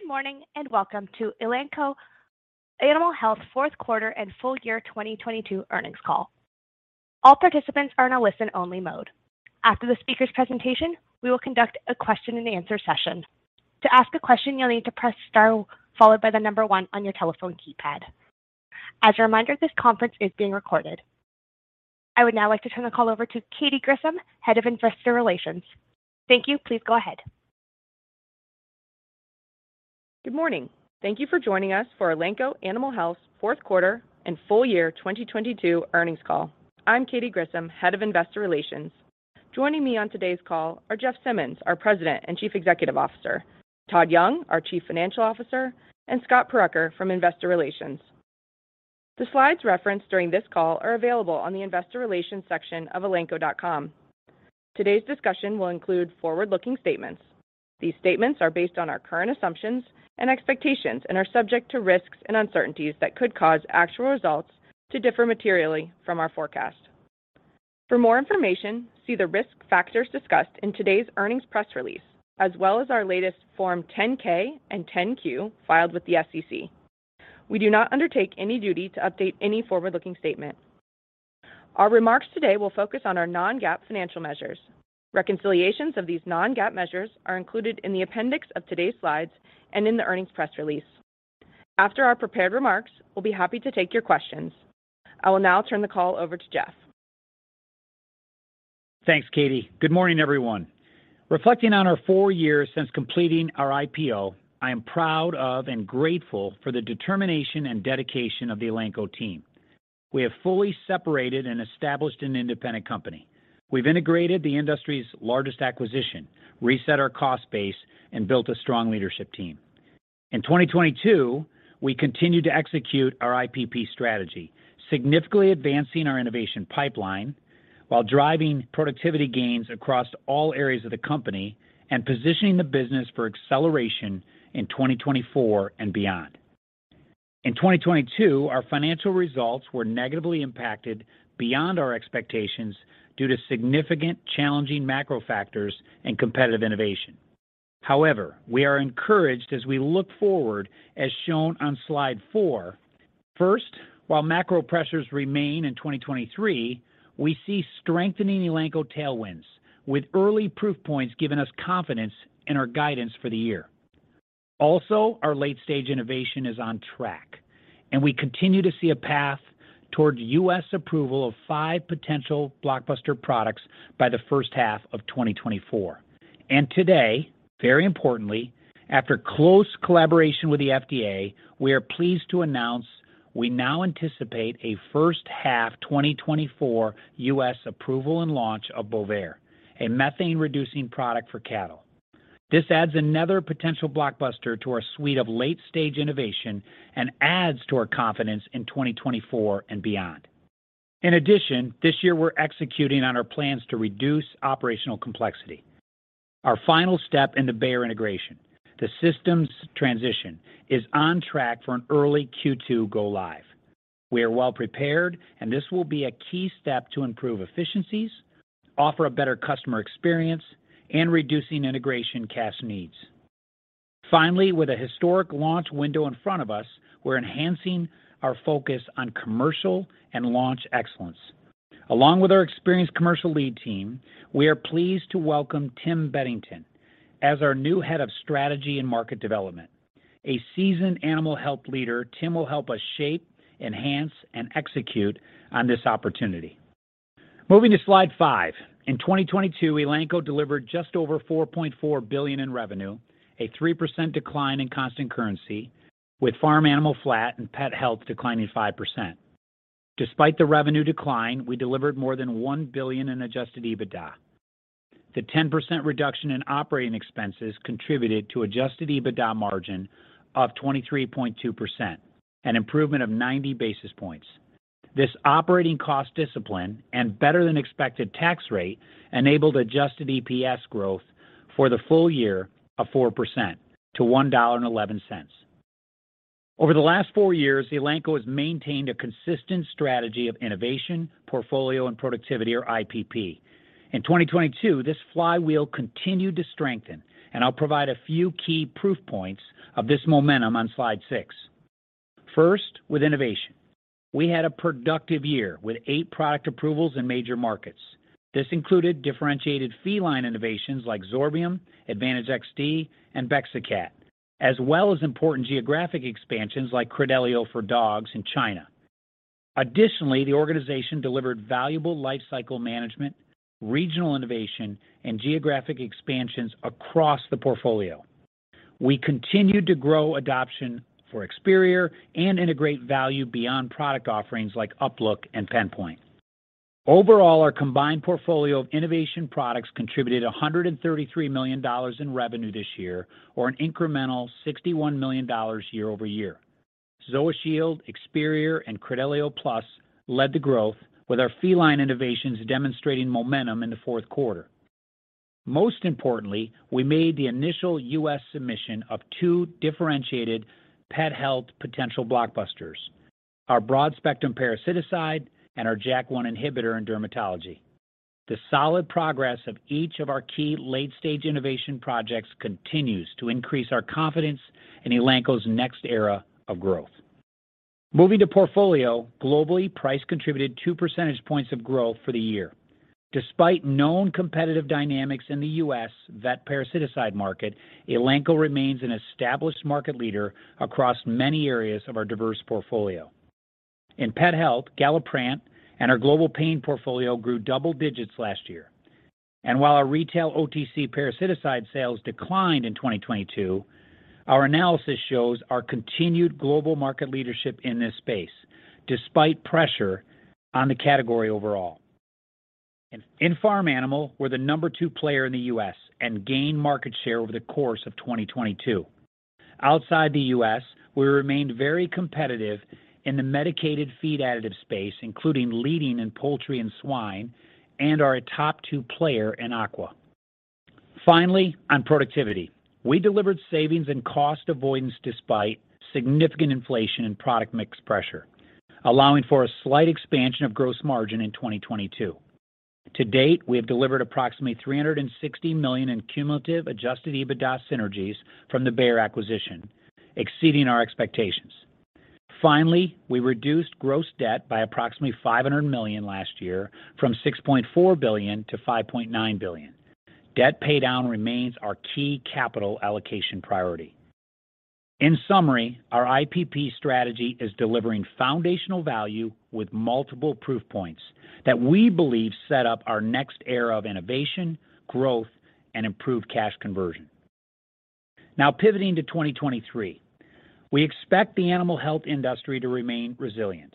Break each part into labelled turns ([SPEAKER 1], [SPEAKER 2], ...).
[SPEAKER 1] Good morning, and welcome to Elanco Animal Health fourth quarter and full year 2022 earnings call. All participants are in a listen only mode. After the speaker's presentation, we will conduct a question and answer session. To ask a question, you'll need to press star followed by the one on your telephone keypad. As a reminder, this conference is being recorded. I would now like to turn the call over to Katy Grissom, Head of Investor Relations. Thank you. Please go ahead.
[SPEAKER 2] Good morning. Thank you for joining us for Elanco Animal Health fourth quarter and full year 2022 earnings call. I'm Katy Grissom, Head of Investor Relations. Joining me on today's call are Jeff Simmons, our President and Chief Executive Officer, Todd Young, our Chief Financial Officer, and Scott Purucker from Investor Relations. The slides referenced during this call are available on the investor relations section of elanco.com. Today's discussion will include forward-looking statements. These statements are based on our current assumptions and expectations and are subject to risks and uncertainties that could cause actual results to differ materially from our forecast. For more information, see the risk factors discussed in today's earnings press release, as well as our latest Form 10-K and 10-Q filed with the SEC. We do not undertake any duty to update any forward-looking statement. Our remarks today will focus on our non-GAAP financial measures. Reconciliations of these non-GAAP measures are included in the appendix of today's slides and in the earnings press release. After our prepared remarks, we'll be happy to take your questions. I will now turn the call over to Jeff.
[SPEAKER 3] Thanks, Katy. Good morning, everyone. Reflecting on our four years since completing our IPO, I am proud of and grateful for the determination and dedication of the Elanco team. We have fully separated and established an independent company. We've integrated the industry's largest acquisition, reset our cost base, and built a strong leadership team. In 2022, we continued to execute our IPP strategy, significantly advancing our innovation pipeline while driving productivity gains across all areas of the company and positioning the business for acceleration in 2024 and beyond. In 2022, our financial results were negatively impacted beyond our expectations due to significant challenging macro factors and competitive innovation. We are encouraged as we look forward, as shown on slide four. First, while macro pressures remain in 2023, we see strengthening Elanco tailwinds with early proof points giving us confidence in our guidance for the year. Also, our late-stage innovation is on track, and we continue to see a path towards U.S. approval of five potential blockbuster products by the first half of 2024. Today, very importantly, after close collaboration with the FDA, we are pleased to announce we now anticipate a first half 2024 U.S. approval and launch of Bovaer, a methane-reducing product for cattle. This adds another potential blockbuster to our suite of late-stage innovation and adds to our confidence in 2024 and beyond. In addition, this year we're executing on our plans to reduce operational complexity. Our final step in the Bayer integration, the systems transition, is on track for an early Q2 go live. We are well prepared, and this will be a key step to improve efficiencies, offer a better customer experience, and reducing integration cash needs. Finally, with a historic launch window in front of us, we're enhancing our focus on commercial and launch excellence. Along with our experienced commercial lead team, we are pleased to welcome Tim Bettington as our new Head of Strategy and Market Development. A seasoned animal health leader, Tim will help us shape, enhance, and execute on this opportunity. Moving to slide five. In 2022, Elanco delivered just over $4.4 billion in revenue, a 3% decline in constant currency, with farm animal flat and pet health declining 5%. Despite the revenue decline, we delivered more than $1 billion in adjusted EBITDA. The 10% reduction in operating expenses contributed to adjusted EBITDA margin of 23.2%, an improvement of 90 basis points. This operating cost discipline and better than expected tax rate enabled adjusted EPS growth for the full year of 4% to $1.11. Over the last four years, Elanco has maintained a consistent strategy of innovation, portfolio, and productivity or IPP. In 2022, this flywheel continued to strengthen, and I'll provide a few key proof points of this momentum on slide 6. First, with innovation. We had a productive year with eight product approvals in major markets. This included differentiated feline innovations like Zorbium, Advantage XD, and Bexacat, as well as important geographic expansions like Credelio for dogs in China. Additionally, the organization delivered valuable lifecycle management, regional innovation, and geographic expansions across the portfolio. We continued to grow adoption for Experior and integrate value beyond product offerings like UpLook and Penpoint. Overall, our combined portfolio of innovation products contributed $133 million in revenue this year or an incremental $61 million year-over-year. ZoaShield, Experior, and Credelio Plus led the growth with our feline innovations demonstrating momentum in the fourth quarter. Most importantly, we made the initial U.S. submission of two differentiated pet health potential blockbusters, our broad-spectrum parasiticide and our JAK1 inhibitor in dermatology. The solid progress of each of our key late-stage innovation projects continues to increase our confidence in Elanco's next era of growth. Moving to portfolio, globally, price contributed two percentage points of growth for the year. Despite known competitive dynamics in the U.S. vet parasitic market, Elanco remains an established market leader across many areas of our diverse portfolio. In pet health, Galliprant and our global pain portfolio grew double digits last year. While our retail OTC parasitic sales declined in 2022, our analysis shows our continued global market leadership in this space despite pressure on the category overall. In farm animal, we're the number two player in the U.S. and gained market share over the course of 2022. Outside the U.S., we remained very competitive in the medicated feed additive space, including leading in poultry and swine, and are a top two player in aqua. On productivity, we delivered savings and cost avoidance despite significant inflation and product mix pressure, allowing for a slight expansion of gross margin in 2022. To date, we have delivered approximately $360 million in cumulative adjusted EBITDA synergies from the Bayer acquisition, exceeding our expectations. We reduced gross debt by approximately $500 million last year from $6.4 billion to $5.9 billion. Debt paydown remains our key capital allocation priority. In summary, our IPP strategy is delivering foundational value with multiple proof points that we believe set up our next era of innovation, growth, and improved cash conversion. Pivoting to 2023, we expect the animal health industry to remain resilient.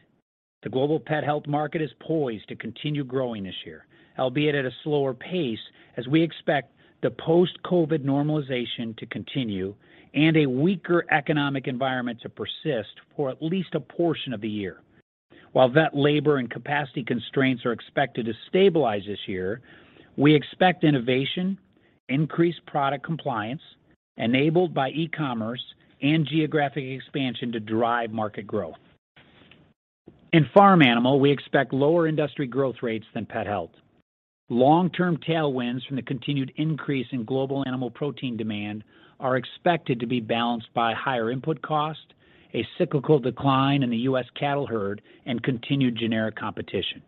[SPEAKER 3] The global pet health market is poised to continue growing this year, albeit at a slower pace as we expect the post-COVID normalization to continue and a weaker economic environment to persist for at least a portion of the year. While vet labor and capacity constraints are expected to stabilize this year, we expect innovation, increased product compliance enabled by e-commerce, and geographic expansion to drive market growth. In farm animal, we expect lower industry growth rates than pet health. Long-term tailwinds from the continued increase in global animal protein demand are expected to be balanced by higher input cost, a cyclical decline in the U.S. cattle herd, and continued generic competition.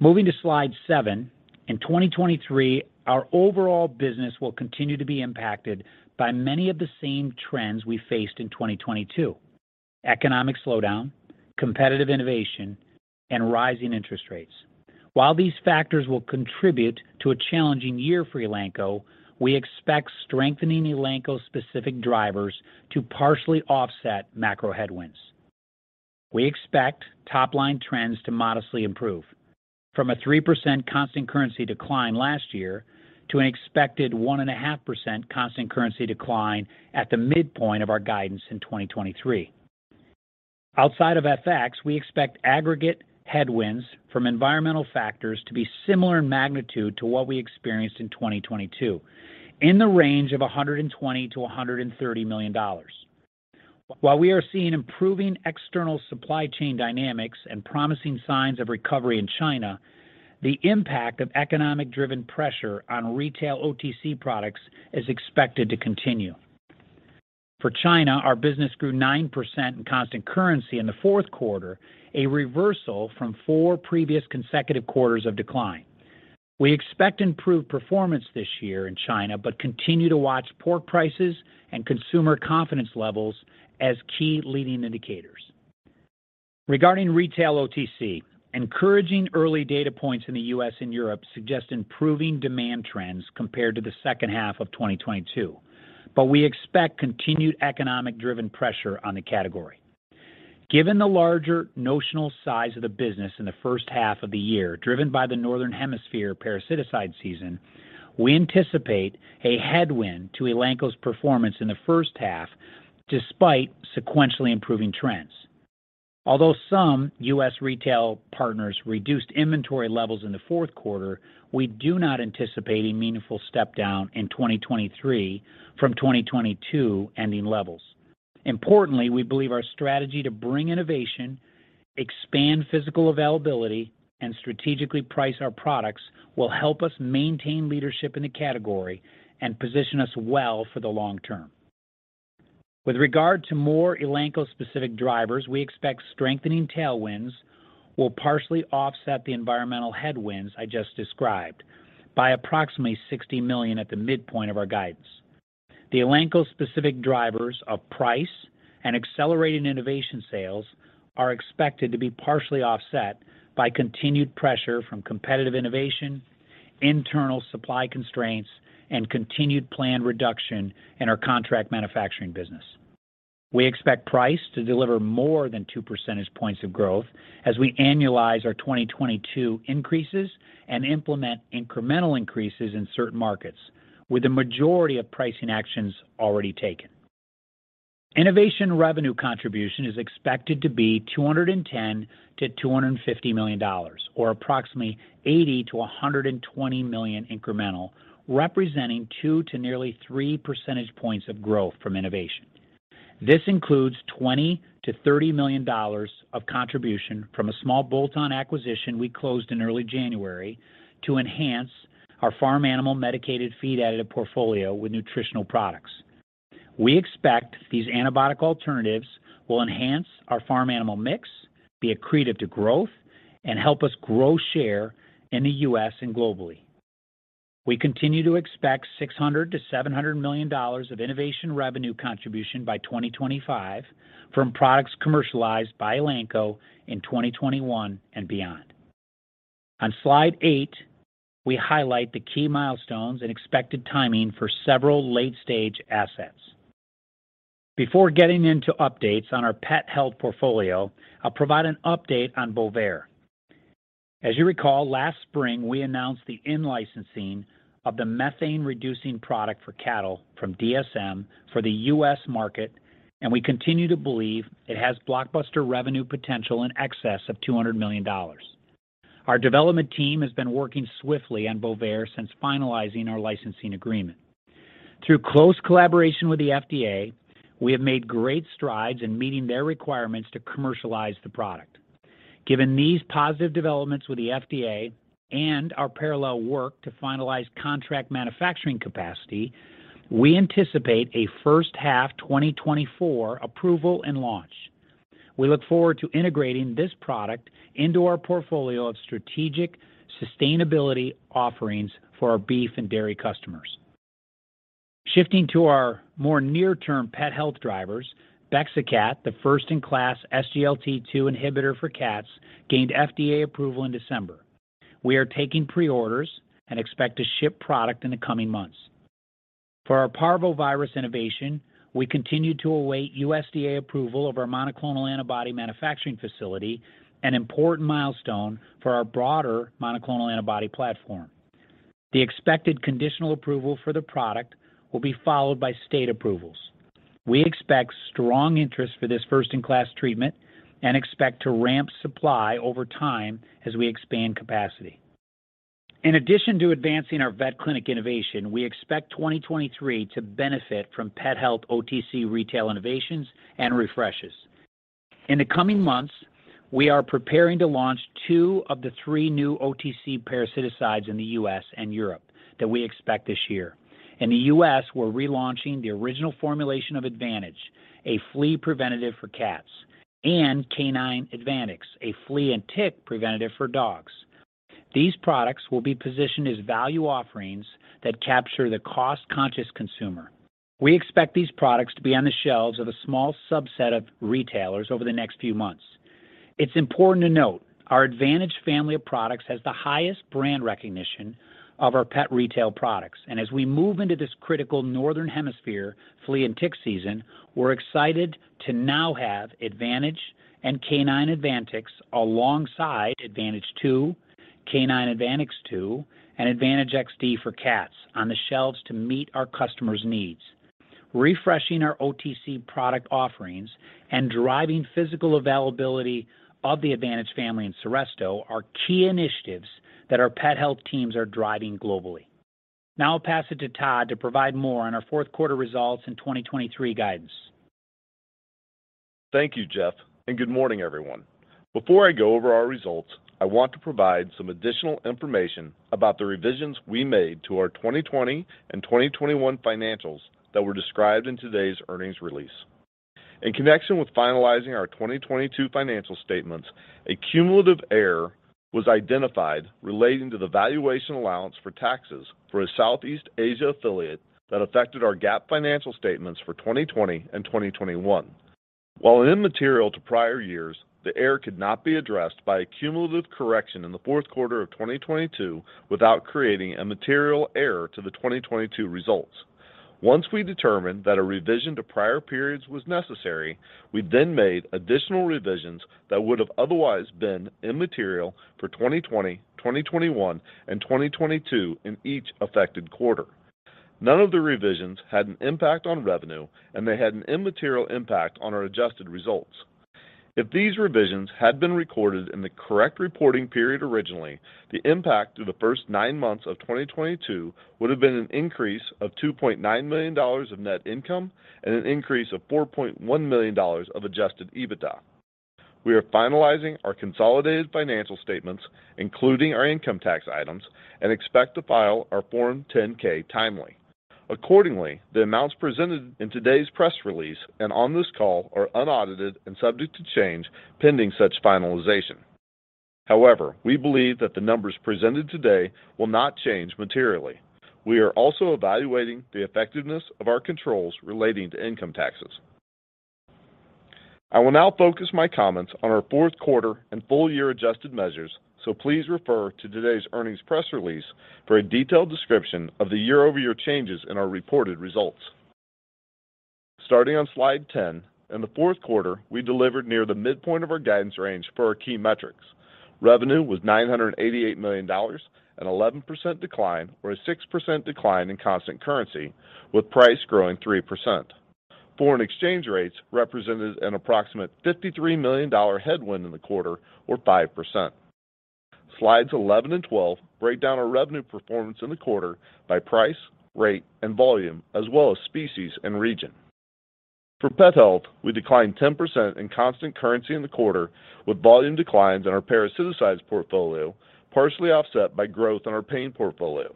[SPEAKER 3] Moving to slide seven, in 2023, our overall business will continue to be impacted by many of the same trends we faced in 2022: economic slowdown, competitive innovation, and rising interest rates. While these factors will contribute to a challenging year for Elanco, we expect strengthening Elanco-specific drivers to partially offset macro headwinds. We expect top-line trends to modestly improve from a 3% constant currency decline last year to an expected 1.5% constant currency decline at the midpoint of our guidance in 2023. Outside of FX, we expect aggregate headwinds from environmental factors to be similar in magnitude to what we experienced in 2022 in the range of $120 million-$130 million. While we are seeing improving external supply chain dynamics and promising signs of recovery in China, the impact of economic-driven pressure on retail OTC products is expected to continue. For China, our business grew 9% in constant currency in the fourth quarter, a reversal from four previous consecutive quarters of decline. We expect improved performance this year in China, but continue to watch pork prices and consumer confidence levels as key leading indicators. Regarding retail OTC, encouraging early data points in the US and Europe suggest improving demand trends compared to the second half of 2022, but we expect continued economic-driven pressure on the category. Given the larger notional size of the business in the first half of the year, driven by the Northern Hemisphere parasitic season, we anticipate a headwind to Elanco's performance in the first half despite sequentially improving trends. Although some U.S. retail partners reduced inventory levels in the fourth quarter, we do not anticipate a meaningful step-down in 2023 from 2022 ending levels. Importantly, we believe our strategy to bring innovation, expand physical availability, and strategically price our products will help us maintain leadership in the category and position us well for the long term. With regard to more Elanco-specific drivers, we expect strengthening tailwinds will partially offset the environmental headwinds I just described by approximately $60 million at the midpoint of our guidance. The Elanco-specific drivers of price and accelerated innovation sales are expected to be partially offset by continued pressure from competitive innovation, internal supply constraints, and continued planned reduction in our contract manufacturing business. We expect price to deliver more than two percentage points of growth as we annualize our 2022 increases and implement incremental increases in certain markets with the majority of pricing actions already taken. Innovation revenue contribution is expected to be $210 million-$250 million or approximately $80 million-$120 million incremental, representing two to nearly three percentage points of growth from innovation. This includes $20 million-$30 million of contribution from a small bolt-on acquisition we closed in early January to enhance our farm animal medicated feed additive portfolio with nutritional products. We expect these antibiotic alternatives will enhance our farm animal mix, be accretive to growth and help us grow share in the U.S. and globally. We continue to expect $600 million-$700 million of innovation revenue contribution by 2025 from products commercialized by Elanco in 2021 and beyond. On slide eight, we highlight the key milestones and expected timing for several late-stage assets. Before getting into updates on our pet health portfolio, I'll provide an update on Bovaer. As you recall, last spring we announced the in-licensing of the methane-reducing product for cattle from DSM for the U.S. market. We continue to believe it has blockbuster revenue potential in excess of $200 million. Our development team has been working swiftly on Bovaer since finalizing our licensing agreement. Through close collaboration with the FDA, we have made great strides in meeting their requirements to commercialize the product. Given these positive developments with the FDA and our parallel work to finalize contract manufacturing capacity, we anticipate a first half 2024 approval and launch. We look forward to integrating this product into our portfolio of strategic sustainability offerings for our beef and dairy customers. Shifting to our more near-term pet health drivers, Bexacat, the first-in-class SGLT-2 inhibitor for cats, gained FDA approval in December. We are taking pre-orders and expect to ship product in the coming months. For our parvovirus innovation, we continue to await USDA approval of our monoclonal antibody manufacturing facility, an important milestone for our broader monoclonal antibody platform. The expected conditional approval for the product will be followed by state approvals. We expect strong interest for this first-in-class treatment and expect to ramp supply over time as we expand capacity. In addition to advancing our vet clinic innovation, we expect 2023 to benefit from pet health OTC retail innovations and refreshes. In the coming months, we are preparing to launch two of the three new OTC parasiticides in the U.S. and Europe that we expect this year. In the U.S., we're relaunching the original formulation of Advantage, a flea preventative for cats, and K9 Advantix, a flea and tick preventative for dogs. These products will be positioned as value offerings that capture the cost-conscious consumer. We expect these products to be on the shelves of a small subset of retailers over the next few months. It's important to note our Advantage family of products has the highest brand recognition of our pet retail products, and as we move into this critical northern hemisphere flea and tick season, we're excited to now have Advantage and K9 Advantix alongside Advantage II, K9 Advantix II, and Advantage XD for cats on the shelves to meet our customers' needs. Refreshing our OTC product offerings and driving physical availability of the Advantage family and Seresto are key initiatives that our pet health teams are driving globally. I'll pass it to Todd to provide more on our fourth quarter results and 2023 guidance.
[SPEAKER 4] Thank you, Jeff. Good morning, everyone. Before I go over our results, I want to provide some additional information about the revisions we made to our 2020 and 2021 financials that were described in today's earnings release. In connection with finalizing our 2022 financial statements, a cumulative error was identified relating to the valuation allowance for taxes for a Southeast Asia affiliate that affected our GAAP financial statements for 2020 and 2021. While immaterial to prior years, the error could not be addressed by a cumulative correction in the fourth quarter of 2022 without creating a material error to the 2022 results. Once we determined that a revision to prior periods was necessary, we then made additional revisions that would have otherwise been immaterial for 2020, 2021, and 2022 in each affected quarter. None of the revisions had an impact on revenue, and they had an immaterial impact on our adjusted results. If these revisions had been recorded in the correct reporting period originally, the impact through the first nine months of 2022 would have been an increase of $2.9 million of net income and an increase of $4.1 million of adjusted EBITDA. We are finalizing our consolidated financial statements, including our income tax items, and expect to file our Form 10-K timely. Accordingly, the amounts presented in today's press release and on this call are unaudited and subject to change pending such finalization. However, we believe that the numbers presented today will not change materially. We are also evaluating the effectiveness of our controls relating to income taxes. I will now focus my comments on our fourth quarter and full year adjusted measures. Please refer to today's earnings press release for a detailed description of the year-over-year changes in our reported results. Starting on slide 10, in the fourth quarter, we delivered near the midpoint of our guidance range for our key metrics. Revenue was $988 million, an 11% decline or a 6% decline in constant currency, with price growing 3%. Foreign exchange rates represented an approximate $53 million headwind in the quarter, or 5%. Slides 11 and 12 break down our revenue performance in the quarter by price, rate, and volume, as well as species and region. For Pet Health, we declined 10% in constant currency in the quarter with volume declines in our parasiticides portfolio, partially offset by growth in our pain portfolio.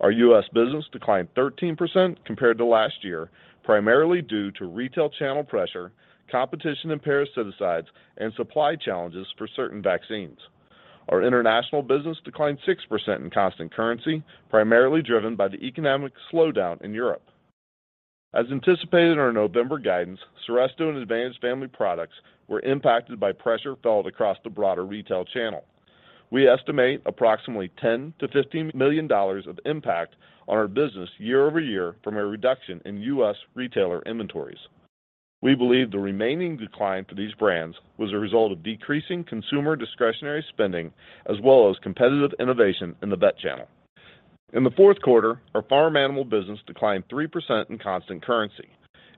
[SPEAKER 4] Our U.S. business declined 13% compared to last year, primarily due to retail channel pressure, competition in parasiticides, and supply challenges for certain vaccines. Our international business declined 6% in constant currency, primarily driven by the economic slowdown in Europe. As anticipated in our November guidance, Seresto and Advantage family products were impacted by pressure felt across the broader retail channel. We estimate approximately $10 million-$15 million of impact on our business year-over-year from a reduction in U.S. retailer inventories. We believe the remaining decline for these brands was a result of decreasing consumer discretionary spending as well as competitive innovation in the vet channel. In the fourth quarter, our farm animal business declined 3% in constant currency.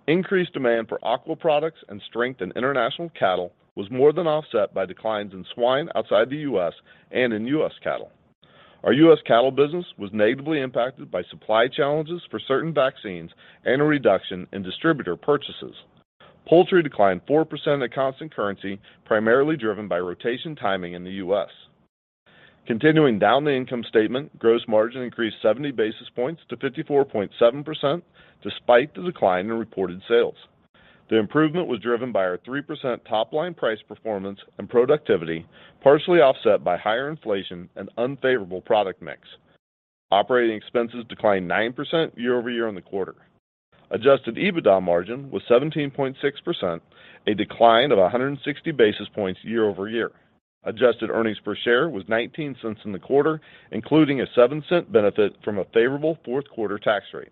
[SPEAKER 4] Increased demand for aqua products and strength in international cattle was more than offset by declines in swine outside the U.S. and in U.S. cattle. Our U.S. cattle business was negatively impacted by supply challenges for certain vaccines and a reduction in distributor purchases. Poultry declined 4% at constant currency, primarily driven by rotation timing in the U.S. Continuing down the income statement, gross margin increased 70 basis points to 54.7% despite the decline in reported sales. The improvement was driven by our 3% top-line price performance and productivity, partially offset by higher inflation and unfavorable product mix. Operating expenses declined 9% year-over-year on the quarter. Adjusted EBITDA margin was 17.6%, a decline of 160 basis points year-over-year. Adjusted earnings per share was $0.19 in the quarter, including a $0.07 benefit from a favorable fourth quarter tax rate.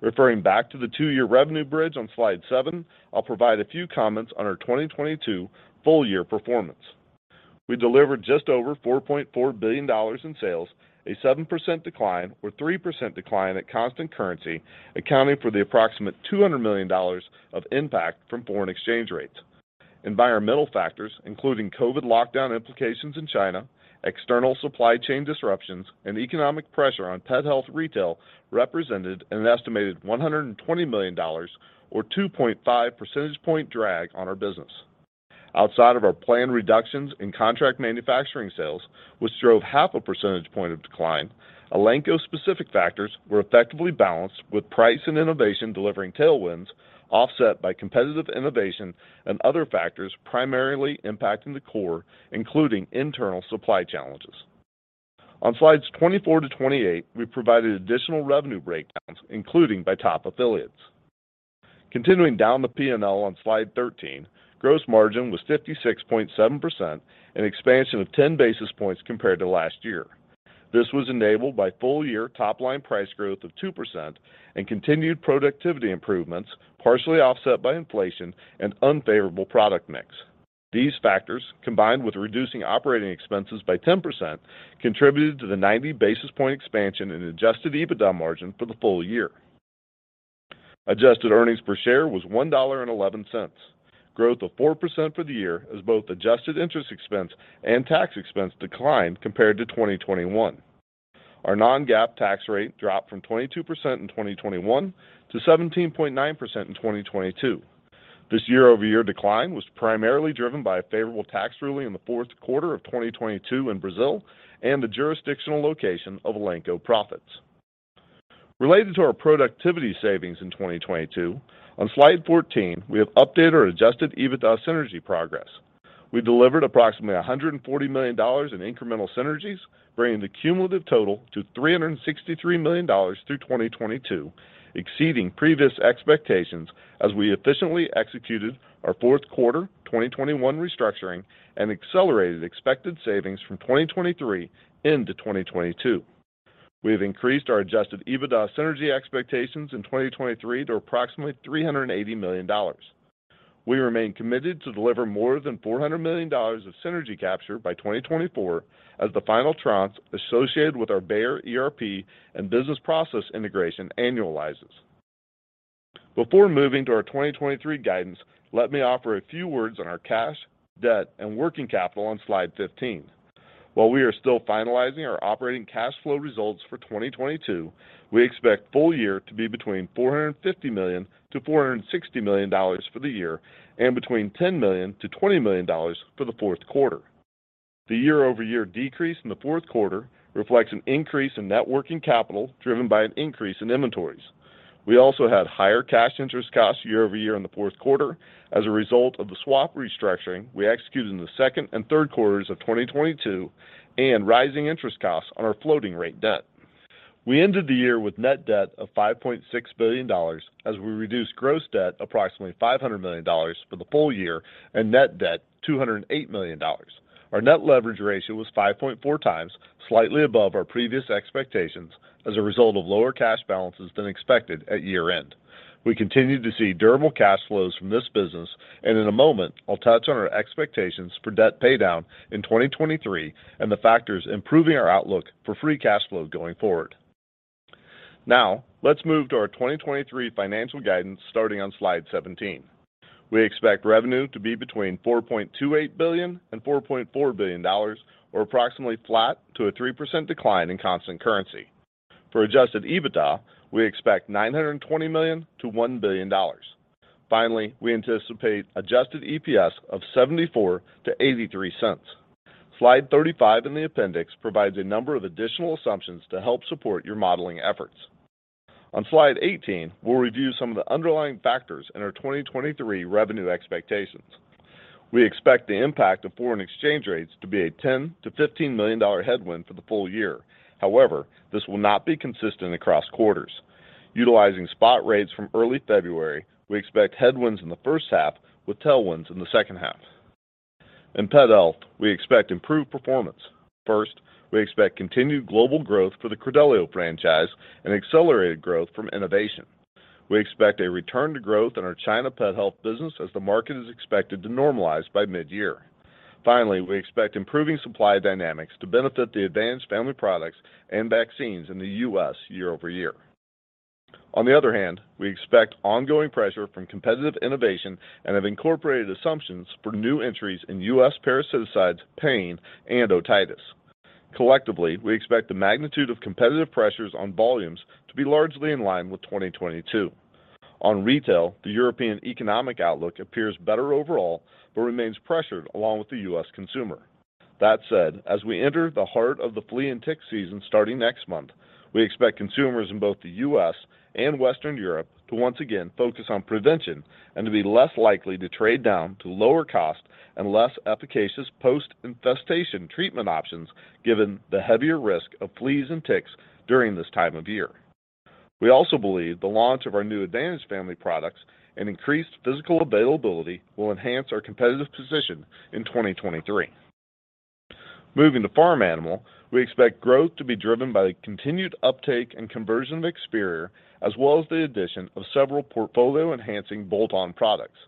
[SPEAKER 4] Referring back to the two-year revenue bridge on slide seven, I'll provide a few comments on our 2022 full year performance. We delivered just over $4.4 billion in sales, a 7% decline or 3% decline at constant currency, accounting for the approximate $200 million of impact from foreign exchange rates. Environmental factors, including COVID lockdown implications in China, external supply chain disruptions, and economic pressure on pet health retail represented an estimated $120 million or 2.5 percentage point drag on our business. Outside of our planned reductions in contract manufacturing sales, which drove half a percentage point of decline, Elanco-specific factors were effectively balanced with price and innovation delivering tailwinds offset by competitive innovation and other factors primarily impacting the core, including internal supply challenges. On slides 24 to 28, we provided additional revenue breakdowns, including by top affiliates. Continuing down the P&L on slide 13, gross margin was 56.7%, an expansion of 10 basis points compared to last year. This was enabled by full-year top-line price growth of 2% and continued productivity improvements, partially offset by inflation and unfavorable product mix. These factors, combined with reducing operating expenses by 10%, contributed to the 90 basis point expansion in adjusted EBITDA margin for the full year. Adjusted earnings per share was $1.11, growth of 4% for the year as both adjusted interest expense and tax expense declined compared to 2021. Our non-GAAP tax rate dropped from 22% in 2021 to 17.9% in 2022. This year-over-year decline was primarily driven by a favorable tax ruling in the fourth quarter of 2022 in Brazil and the jurisdictional location of Elanco profits. Related to our productivity savings in 2022, on slide 14, we have updated our adjusted EBITDA synergy progress. We delivered approximately $140 million in incremental synergies, bringing the cumulative total to $363 million through 2022, exceeding previous expectations as we efficiently executed our fourth quarter 2021 restructuring and accelerated expected savings from 2023 into 2022. We have increased our adjusted EBITDA synergy expectations in 2023 to approximately $380 million. We remain committed to deliver more than $400 million of synergy capture by 2024 as the final tranche associated with our Bayer ERP and business process integration annualizes. Before moving to our 2023 guidance, let me offer a few words on our cash, debt, and working capital on slide 15. While we are still finalizing our operating cash flow results for 2022, we expect full year to be between $450 million-$460 million for the year and between $10 million-$20 million for the fourth quarter. The year-over-year decrease in the fourth quarter reflects an increase in net working capital driven by an increase in inventories. We also had higher cash interest costs year-over-year in the fourth quarter as a result of the swap restructuring we executed in the second and third quarters of 2022 and rising interest costs on our floating rate debt. We ended the year with net debt of $5.6 billion as we reduced gross debt approximately $500 million for the full year and net debt $208 million. Our net leverage ratio was 5.4x, slightly above our previous expectations as a result of lower cash balances than expected at year-end. In a moment, I'll touch on our expectations for debt paydown in 2023 and the factors improving our outlook for free cash flow going forward. Let's move to our 2023 financial guidance starting on slide 17. We expect revenue to be between $4.28 billion and $4.4 billion, or approximately flat to a 3% decline in constant currency. For adjusted EBITDA, we expect $920 million-$1 billion. We anticipate adjusted EPS of $0.74-$0.83. Slide 35 in the appendix provides a number of additional assumptions to help support your modeling efforts. On slide 18, we'll review some of the underlying factors in our 2023 revenue expectations. We expect the impact of foreign exchange rates to be a $10 million-$15 million headwind for the full year. However, this will not be consistent across quarters. Utilizing spot rates from early February, we expect headwinds in the first half with tailwinds in the second half.. In Pet Health, we expect improved performance. First, we expect continued global growth for the Credelio franchise and accelerated growth from innovation. We expect a return to growth in our China Pet Health business as the market is expected to normalize by mid-year. Finally, we expect improving supply dynamics to benefit the Advantage Family products and vaccines in the U.S. year-over-year. On the other hand, we expect ongoing pressure from competitive innovation and have incorporated assumptions for new entries in U.S. parasiticides, pain, and otitis. Collectively, we expect the magnitude of competitive pressures on volumes to be largely in line with 2022. On retail, the European economic outlook appears better overall, but remains pressured along with the U.S. consumer. That said, as we enter the heart of the flea and tick season starting next month, we expect consumers in both the U.S. and Western Europe to once again focus on prevention and to be less likely to trade down to lower cost and less efficacious post-infestation treatment options given the heavier risk of fleas and ticks during this time of year. We also believe the launch of our new Advantage family products and increased physical availability will enhance our competitive position in 2023. Moving to Farm Animal, we expect growth to be driven by the continued uptake and conversion of Experior, as well as the addition of several portfolio-enhancing bolt-on products.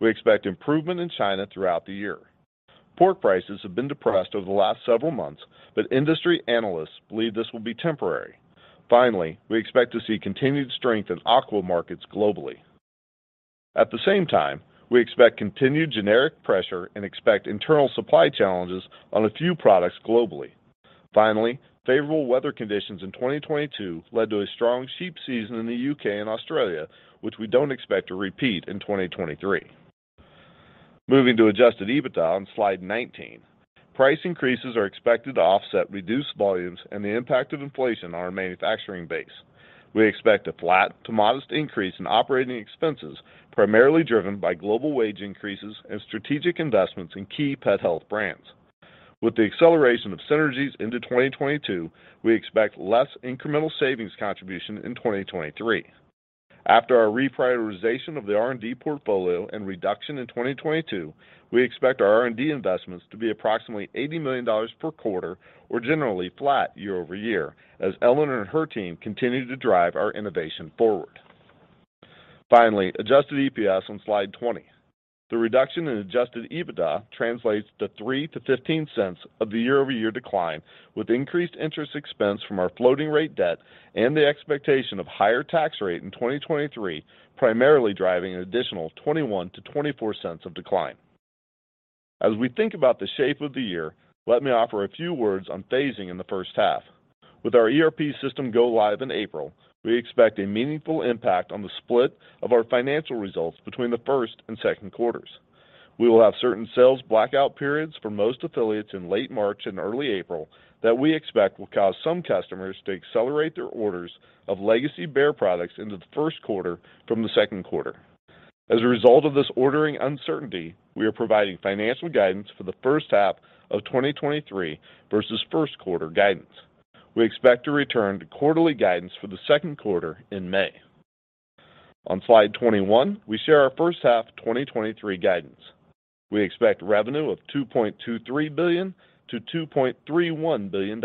[SPEAKER 4] We expect improvement in China throughout the year. Pork prices have been depressed over the last several months, but industry analysts believe this will be temporary. We expect to see continued strength in aqua markets globally. At the same time, we expect continued generic pressure and expect internal supply challenges on a few products globally. Favorable weather conditions in 2022 led to a strong sheep season in the U.K. and Australia, which we don't expect to repeat in 2023. Moving to adjusted EBITDA on slide 19. Price increases are expected to offset reduced volumes and the impact of inflation on our manufacturing base. We expect a flat to modest increase in operating expenses, primarily driven by global wage increases and strategic investments in key pet health brands. With the acceleration of synergies into 2022, we expect less incremental savings contribution in 2023. After our reprioritization of the R&D portfolio and reduction in 2022, we expect our R&D investments to be approximately $80 million per quarter or generally flat year-over-year as Ellen and her team continue to drive our innovation forward. Finally, adjusted EPS on slide 20. The reduction in adjusted EBITDA translates to $0.03-$0.15 of the year-over-year decline, with increased interest expense from our floating rate debt and the expectation of higher tax rate in 2023, primarily driving an additional $0.21-$0.24 of decline. As we think about the shape of the year, let me offer a few words on phasing in the first half. With our ERP system go live in April, we expect a meaningful impact on the split of our financial results between the first and second quarters. We will have certain sales blackout periods for most affiliates in late March and early April that we expect will cause some customers to accelerate their orders of legacy Bayer products into the first quarter from the second quarter. As a result of this ordering uncertainty, we are providing financial guidance for the first half of 2023 versus first quarter guidance. We expect to return to quarterly guidance for the second quarter in May. On slide 21, we share our first half 2023 guidance. We expect revenue of $2.23 billion-$2.31 billion,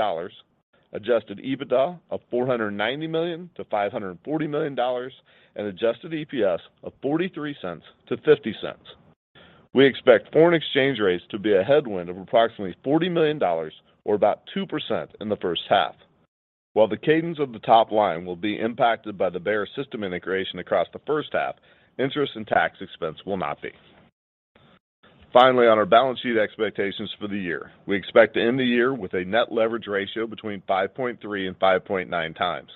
[SPEAKER 4] adjusted EBITDA of $490 million-$540 million, and adjusted EPS of $0.43-$0.50. We expect foreign exchange rates to be a headwind of approximately $40 million or about 2% in the first half. While the cadence of the top line will be impacted by the Bayer system integration across the first half, interest and tax expense will not be. Finally, on our balance sheet expectations for the year, we expect to end the year with a net leverage ratio between 5.3 and 5.9 times.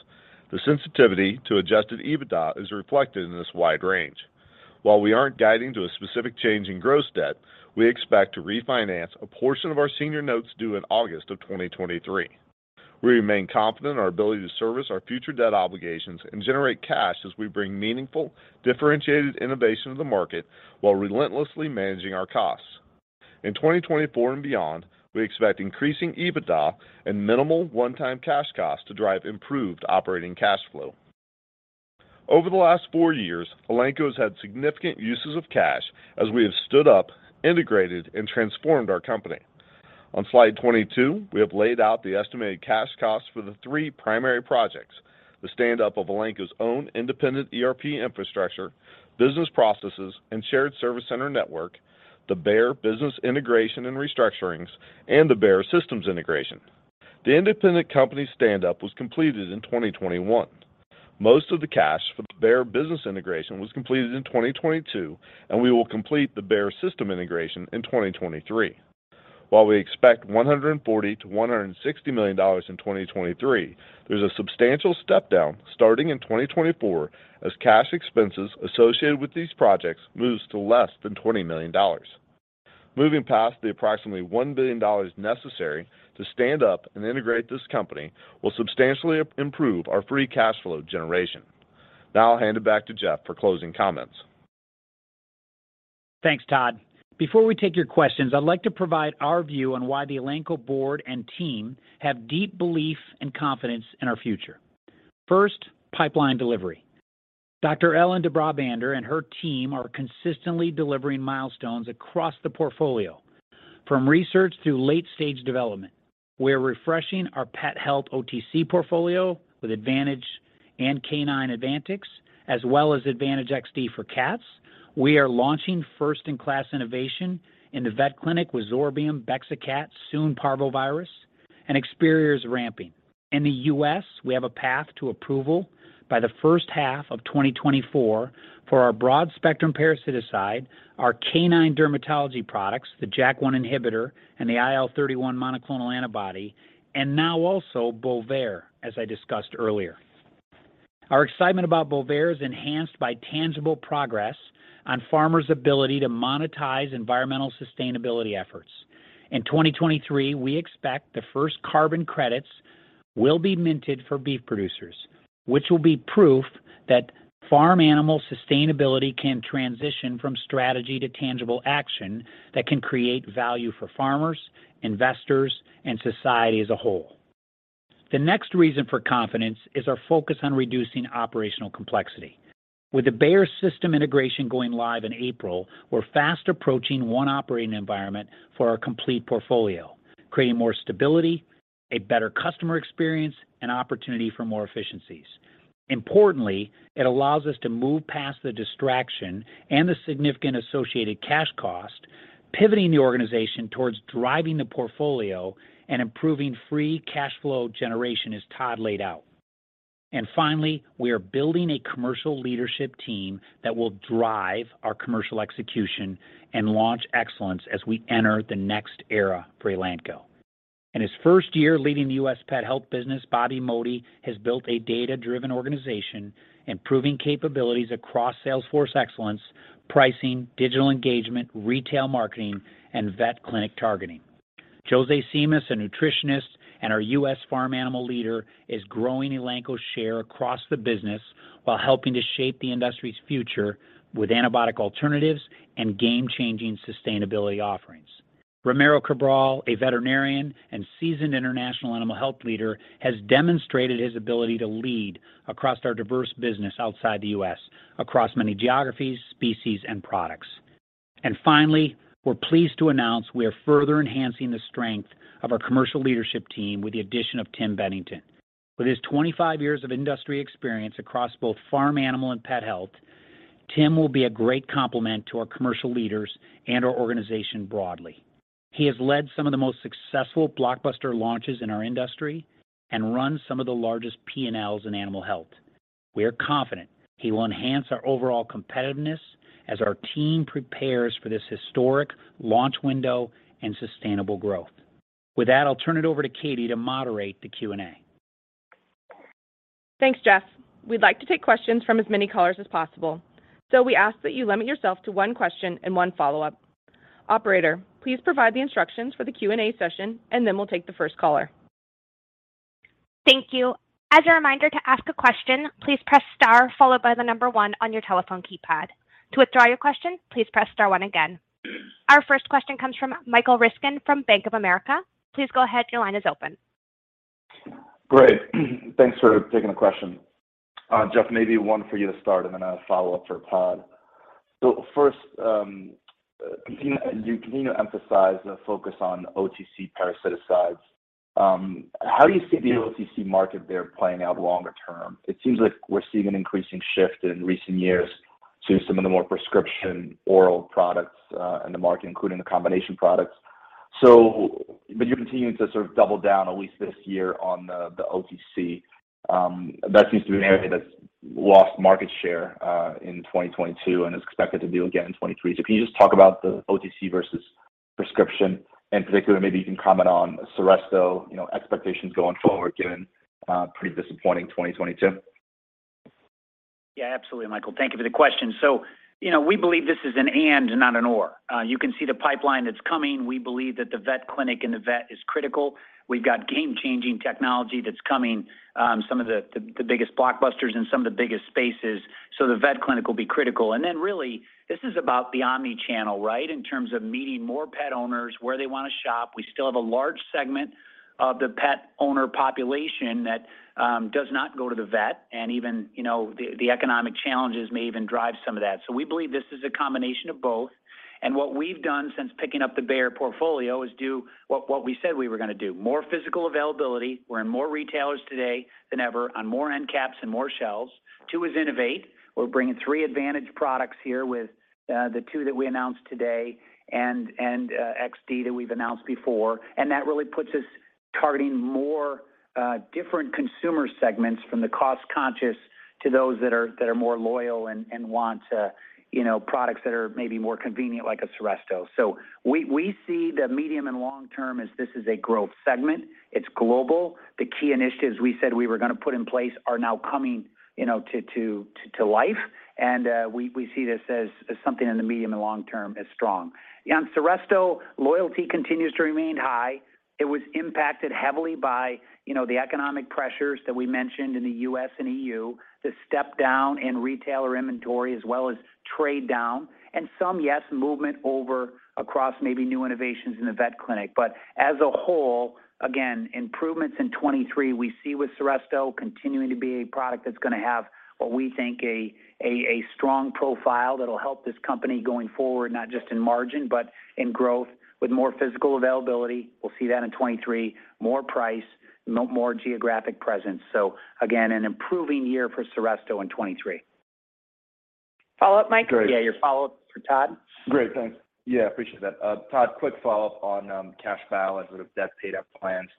[SPEAKER 4] The sensitivity to adjusted EBITDA is reflected in this wide range. While we aren't guiding to a specific change in gross debt, we expect to refinance a portion of our senior notes due in August of 2023. We remain confident in our ability to service our future debt obligations and generate cash as we bring meaningful, differentiated innovation to the market while relentlessly managing our costs. In 2024 and beyond, we expect increasing EBITDA and minimal one-time cash costs to drive improved operating cash flow. Over the last four years, Elanco has had significant uses of cash as we have stood up, integrated, and transformed our company. On slide 22, we have laid out the estimated cash costs for the three primary projects, the stand up of Elanco's own independent ERP infrastructure, business processes, and shared service center network The Bayer Business Integration and Restructurings and the Bayer Systems Integration. The independent company stand up was completed in 2021. Most of the cash for the Bayer Business Integration was completed in 2022. We will complete the Bayer System Integration in 2023.
[SPEAKER 5] While we expect $140 million-$160 million in 2023, there's a substantial step down starting in 2024 as cash expenses associated with these projects moves to less than $20 million. Moving past the approximately $1 billion necessary to stand up and integrate this company will substantially improve our free cash flow generation. Now I'll hand it back to Jeff for closing comments.
[SPEAKER 3] Thanks, Todd. Before we take your questions, I'd like to provide our view on why the Elanco board and team have deep belief and confidence in our future. First, pipeline delivery. Dr. Ellen de Brabander and her team are consistently delivering milestones across the portfolio, from research through late-stage development. We're refreshing our pet health OTC portfolio with Advantage and K9 Advantix II, as well as Advantage XD for cats. We are launching first-in-class innovation in the vet clinic with Zorbium, Bexacat, soon Parvovirus, and Experior's ramping. In the U.S., we have a path to approval by the first half of 2024 for our broad-spectrum parasiticide, our K9 dermatology products, the JAK1 inhibitor and the IL-31 monoclonal antibody, and now also Bovaer, as I discussed earlier. Our excitement about Bovaer is enhanced by tangible progress on farmers' ability to monetize environmental sustainability efforts. In 2023, we expect the first carbon credits will be minted for beef producers, which will be proof that farm animal sustainability can transition from strategy to tangible action that can create value for farmers, investors, and society as a whole. The next reason for confidence is our focus on reducing operational complexity. With the Bayer system integration going live in April, we're fast approaching one operating environment for our complete portfolio, creating more stability, a better customer experience, and opportunity for more efficiencies. Importantly, it allows us to move past the distraction and the significant associated cash cost, pivoting the organization towards driving the portfolio and improving free cash flow generation, as Todd laid out. Finally, we are building a commercial leadership team that will drive our commercial execution and launch excellence as we enter the next era for Elanco. In his first year leading the U.S. Pet Health business, Bobby Modi has built a data-driven organization, improving capabilities across salesforce excellence, pricing, digital engagement, retail marketing, and vet clinic targeting. José Simas, a nutritionist and our U.S. farm animal leader, is growing Elanco's share across the business while helping to shape the industry's future with antibiotic alternatives and game-changing sustainability offerings. Ramiro Cabral, a veterinarian and seasoned international animal health leader, has demonstrated his ability to lead across our diverse business outside the U.S., across many geographies, species, and products. Finally, we're pleased to announce we are further enhancing the strength of our commercial leadership team with the addition of Tim Bettington. With his 25 years of industry experience across both farm animal and pet health, Tim will be a great complement to our commercial leaders and our organization broadly. He has led some of the most successful blockbuster launches in our industry and run some of the largest P&Ls in animal health. We are confident he will enhance our overall competitiveness as our team prepares for this historic launch window and sustainable growth. With that, I'll turn it over to Katy to moderate the Q&A.
[SPEAKER 2] Thanks, Jeff. We'd like to take questions from as many callers as possible, so we ask that you limit yourself to one question and one follow-up. Operator, please provide the instructions for the Q&A session, and then we'll take the first caller.
[SPEAKER 1] Thank you. As a reminder to ask a question, please press star followed by the number one on your telephone keypad. To withdraw your question, please press star one again. Our first question comes from Michael Ryskin from Bank of America. Please go ahead. Your line is open.
[SPEAKER 5] Great. Thanks for taking the question. Jeff, maybe one for you to start and then a follow-up for Todd. First, you continue to emphasize the focus on OTC parasiticides. How do you see the OTC market there playing out longer term? It seems like we're seeing an increasing shift in recent years to some of the more prescription oral products, in the market, including the combination products. You're continuing to sort of double down at least this year on the OTC. That seems to be an area that's lost market share, in 2022 and is expected to do again in 2023. Can you just talk about the OTC versus prescription? In particular, maybe you can comment on Seresto, you know, expectations going forward, given, pretty disappointing 2022.
[SPEAKER 3] Yeah, absolutely, Michael. Thank you for the question. You know, we believe this is an and, not an or. You can see the pipeline that's coming. We believe that the vet clinic and the vet is critical. We've got game-changing technology that's coming, some of the biggest blockbusters in some of the biggest spaces. The vet clinic will be critical. Then really this is about the omni-channel, right? In terms of meeting more pet owners where they want to shop. We still have a large segment of the pet owner population that does not go to the vet. Even, you know, the economic challenges may even drive some of that. We believe this is a combination of both. What we've done since picking up the Bayer portfolio is do what we said we were gonna do. More physical availability. We're in more retailers today than ever on more end caps and more shelves. Two is innovate. We're bringing three Advantage products here with the two that we announced today and XD that we've announced before. That really puts us targeting more different consumer segments from the cost-conscious to those that are more loyal and want, you know, products that are maybe more convenient, like a Seresto. We, we see the medium and long-term as this is a growth segment. It's global. The key initiatives we said we were gonna put in place are now coming, you know, to life. We, we see this as something in the medium and long-term as strong. On Seresto, loyalty continues to remain high. It was impacted heavily by, you know, the economic pressures that we mentioned in the U.S. and EU, the step down in retailer inventory as well as trade down and some, yes, movement over across maybe new innovations in the vet clinic. As a whole, again, improvements in 2023 we see with Seresto continuing to be a product that's going to have what we think a strong profile that'll help this company going forward, not just in margin but in growth with more physical availability. We'll see that in 2023. More price, more geographic presence. Again, an improving year for Seresto in 2023.
[SPEAKER 2] Follow-up, Mike?
[SPEAKER 3] Yeah, your follow-up for Todd.
[SPEAKER 5] Great. Thanks. Yeah, appreciate that. Todd, quick follow-up on cash flow as sort of debt paydown plans.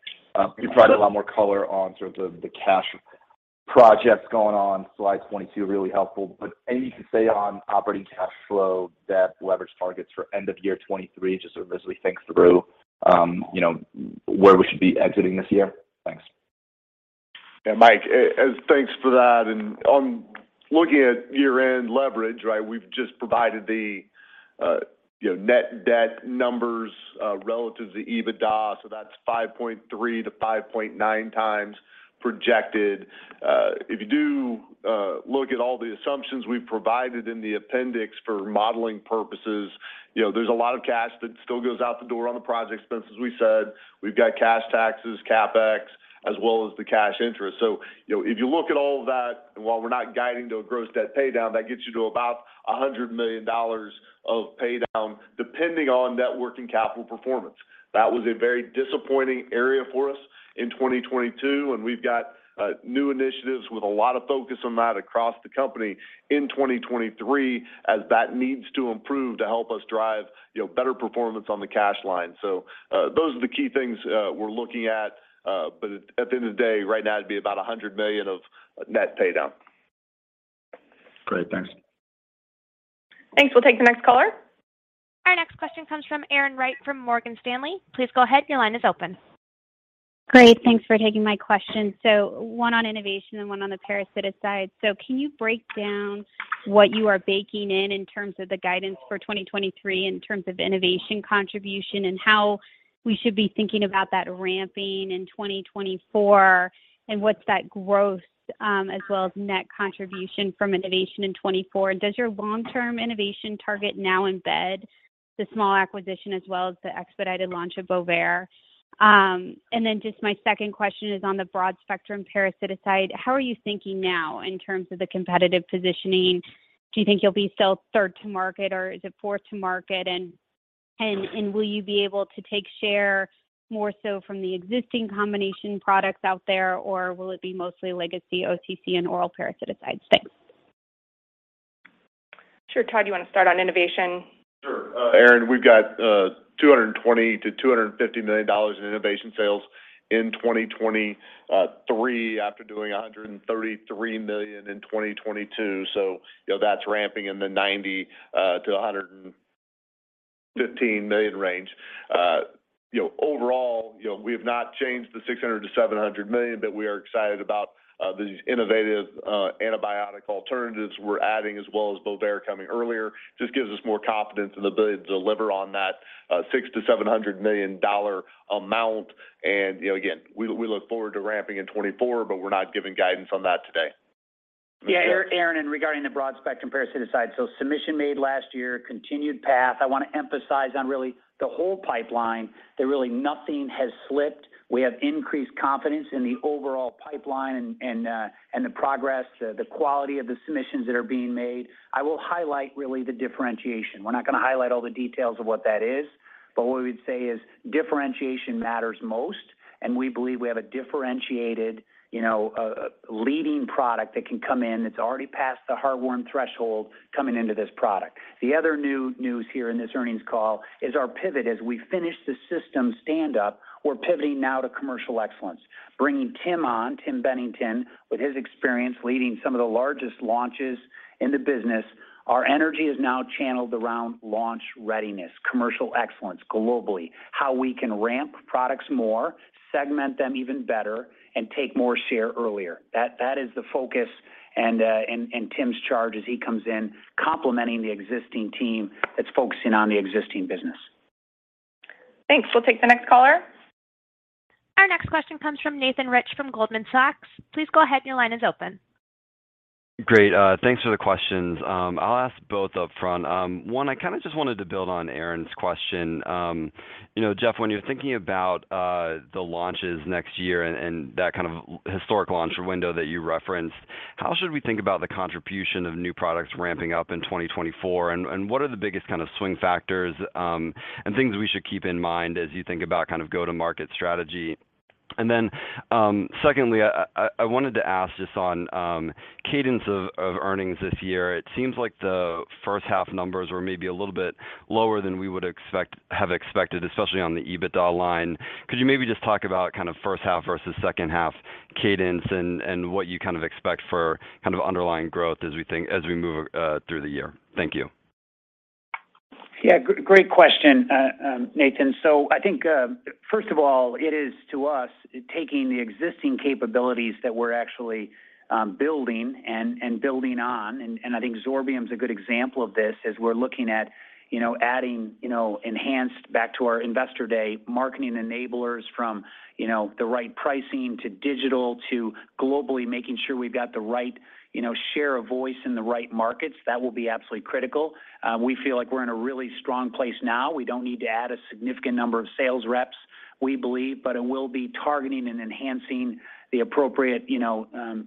[SPEAKER 5] You provided a lot more color on sort of the cash projects going on slide 22, really helpful. Anything you can say on operating cash flow, debt leverage targets for end of year 2023, just sort of as we think through, you know, where we should be exiting this year? Thanks.
[SPEAKER 4] Yeah, Mike, thanks for that. On looking at year-end leverage, right, we've just provided the, you know, net debt numbers relative to EBITDA, so that's 5.3x-5.9x projected. If you do look at all the assumptions we've provided in the appendix for modeling purposes, you know, there's a lot of cash that still goes out the door on the project expenses. We said we've got cash taxes, CapEx, as well as the cash interest. You know, if you look at all of that, and while we're not guiding to a gross debt paydown, that gets you to about $100 million of paydown depending on net working capital performance. That was a very disappointing area for us in 2022, and we've got new initiatives with a lot of focus on that across the company in 2023 as that needs to improve to help us drive, you know, better performance on the cash line. Those are the key things we're looking at. At the end of the day, right now it'd be about $100 million of net paydown.
[SPEAKER 5] Great. Thanks.
[SPEAKER 2] Thanks. We'll take the next caller.
[SPEAKER 1] Our next question comes from Erin Wright from Morgan Stanley. Please go ahead. Your line is open.
[SPEAKER 6] Great. Thanks for taking my question. One on innovation and one on the parasitic side. Can you break down what you are baking in in terms of the guidance for 2023 in terms of innovation contribution and how we should be thinking about that ramping in 2024, and what's that growth, as well as net contribution from innovation in 2024? Does your long-term innovation target now embed the small acquisition as well as the expedited launch of Bovaer? Just my second question is on the broad-spectrum parasiticide side. How are you thinking now in terms of the competitive positioning? Do you think you'll be still third to market or is it fourth to market? Will you be able to take share more so from the existing combination products out there, or will it be mostly legacy OTC and oral parasiticides? Thanks.
[SPEAKER 2] Sure. Todd, you wanna start on innovation?
[SPEAKER 4] Sure. Erin, we've got $220 million-$250 million in innovation sales in 2023 after doing $133 million in 2022. You know, that's ramping in the $90 million-$115 million range. You know, overall, you know, we have not changed the $600 million-$700 million, but we are excited about these innovative antibiotic alternatives we're adding as well as Bovaer coming earlier. Just gives us more confidence in the ability to deliver on that $600 million-$700 million amount. You know, again, we look forward to ramping in 2024, but we're not giving guidance on that today.
[SPEAKER 3] Erin, regarding the broad-spectrum parasiticides, submission made last year, continued path. I wanna emphasize on really the whole pipeline that really nothing has slipped. We have increased confidence in the overall pipeline and the progress, the quality of the submissions that are being made. I will highlight really the differentiation. We're not gonna highlight all the details of what that is, but what we would say is differentiation matters most, and we believe we have a differentiated, you know, leading product that can come in that's already past the heartworm threshold coming into this product. The other new news here in this earnings call is our pivot. As we finish the system stand up, we're pivoting now to commercial excellence, bringing Tim on, Tim Bettington, with his experience leading some of the largest launches in the business. Our energy is now channeled around launch readiness, commercial excellence globally. How we can ramp products more, segment them even better, and take more share earlier. That is the focus and Tim's charge as he comes in complementing the existing team that's focusing on the existing business.
[SPEAKER 2] Thanks. We'll take the next caller.
[SPEAKER 1] Our next question comes from Nathan Rich from Goldman Sachs. Please go ahead, your line is open.
[SPEAKER 7] Great. Thanks for the questions. I'll ask both upfront. One, I kinda just wanted to build on Erin's question. you know, Jeff, when you're thinking about the launches next year and that kind of historic launch window that you referenced, how should we think about the contribution of new products ramping up in 2024, and what are the biggest kind of swing factors, and things we should keep in mind as you think about kind of go-to-market strategy? Secondly, I, I wanted to ask just on cadence of earnings this year. It seems like the first half numbers were maybe a little bit lower than we would have expected, especially on the EBITDA line. Could you maybe just talk about kind of first half versus second half cadence and what you kind of expect for underlying growth as we move through the year? Thank you.
[SPEAKER 3] Yeah, great question, Nathan. I think, first of all, it is to us taking the existing capabilities that we're actually building and building on, and I think Zorbium's a good example of this as we're looking at, you know, adding, you know, enhanced back to our investor day marketing enablers from, you know, the right pricing to digital to globally making sure we've got the right, you know, share of voice in the right markets. That will be absolutely critical. We feel like we're in a really strong place now. We don't need to add a significant number of sales reps, we believe, but it will be targeting and enhancing the appropriate, you know,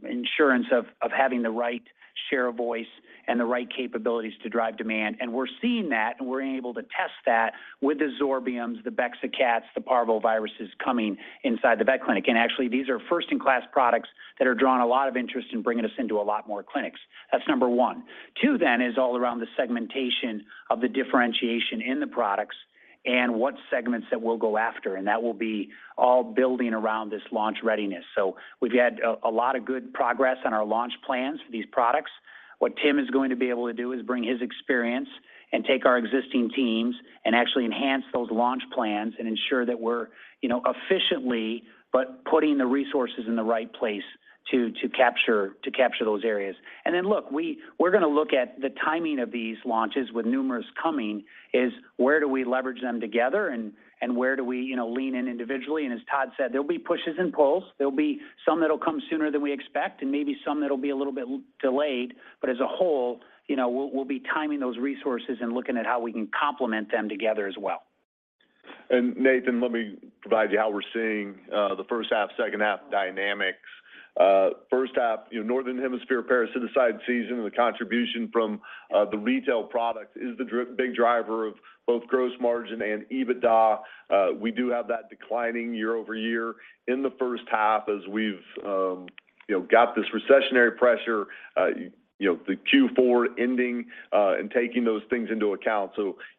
[SPEAKER 3] insurance of having the right share of voice and the right capabilities to drive demand. We're seeing that, and we're able to test that with the Zorbiums, the Bexacat, the parvoviruses coming inside the vet clinic. Actually, these are first-in-class products that are drawing a lot of interest in bringing us into a lot more clinics. That's number one. Two is all around the segmentation of the differentiation in the products and what segments that we'll go after, and that will be all building around this launch readiness. We've had a lot of good progress on our launch plans for these products. What Tim is going to be able to do is bring his experience and take our existing teams and actually enhance those launch plans and ensure that we're, you know, efficiently, but putting the resources in the right place to capture those areas. Look, we're gonna look at the timing of these launches with numerous coming is where do we leverage them together and where do we, you know, lean in individually. As Todd said, there'll be pushes and pulls. There'll be some that'll come sooner than we expect and maybe some that'll be a little bit delayed. As a whole, you know, we'll be timing those resources and looking at how we can complement them together as well.
[SPEAKER 4] Nathan, let me provide you how we're seeing the first half, second half dynamics. First half, you know, Northern Hemisphere parasiticide season, the contribution from the retail products is the big driver of both gross margin and EBITDA. We do have that declining year-over-year in the first half as we've, you know, got this recessionary pressure, you know, the Q4 ending, and taking those things into account.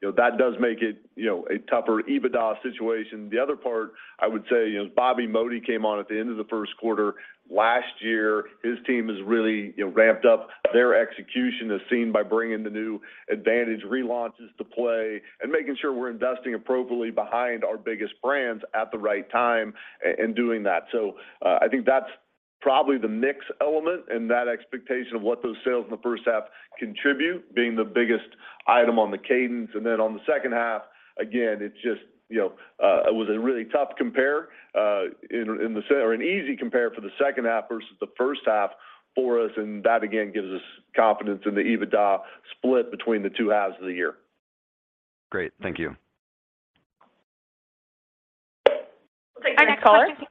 [SPEAKER 4] That does make it, you know, a tougher EBITDA situation. The other part I would say is Bobby Modi came on at the end of the first quarter. Last year, his team has really, you know, ramped up. Their execution is seen by bringing the new Advantage relaunches to play and making sure we're investing appropriately behind our biggest brands at the right time and doing that. I think that's probably the mix element and that expectation of what those sales in the first half contribute being the biggest item on the cadence. On the second half, again, it's just, you know, it was a really tough compare or an easy compare for the second half versus the first half for us, and that again gives us confidence in the EBITDA split between the two halves of the year.
[SPEAKER 7] Great. Thank you.
[SPEAKER 2] Our next question.
[SPEAKER 8] Thank you.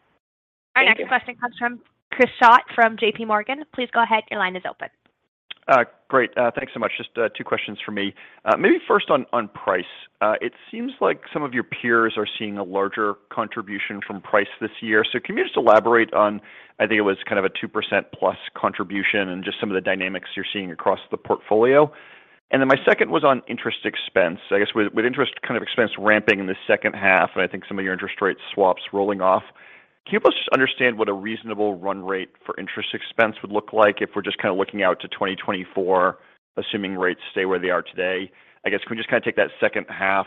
[SPEAKER 1] Our next question comes from Chris Schott from J.P. Morgan. Please go ahead, your line is open.
[SPEAKER 8] Great. Thanks so much. Just two questions from me. Maybe first on price. It seems like some of your peers are seeing a larger contribution from price this year. Can you just elaborate on, I think it was kind of a 2% plus contribution and just some of the dynamics you're seeing across the portfolio. My second was on interest expense. I guess with interest kind of expense ramping in the second half, and I think some of your interest rate swaps rolling off, can you help us understand what a reasonable run rate for interest expense would look like if we're just kind of looking out to 2024, assuming rates stay where they are today? I guess can we just kind of take that second half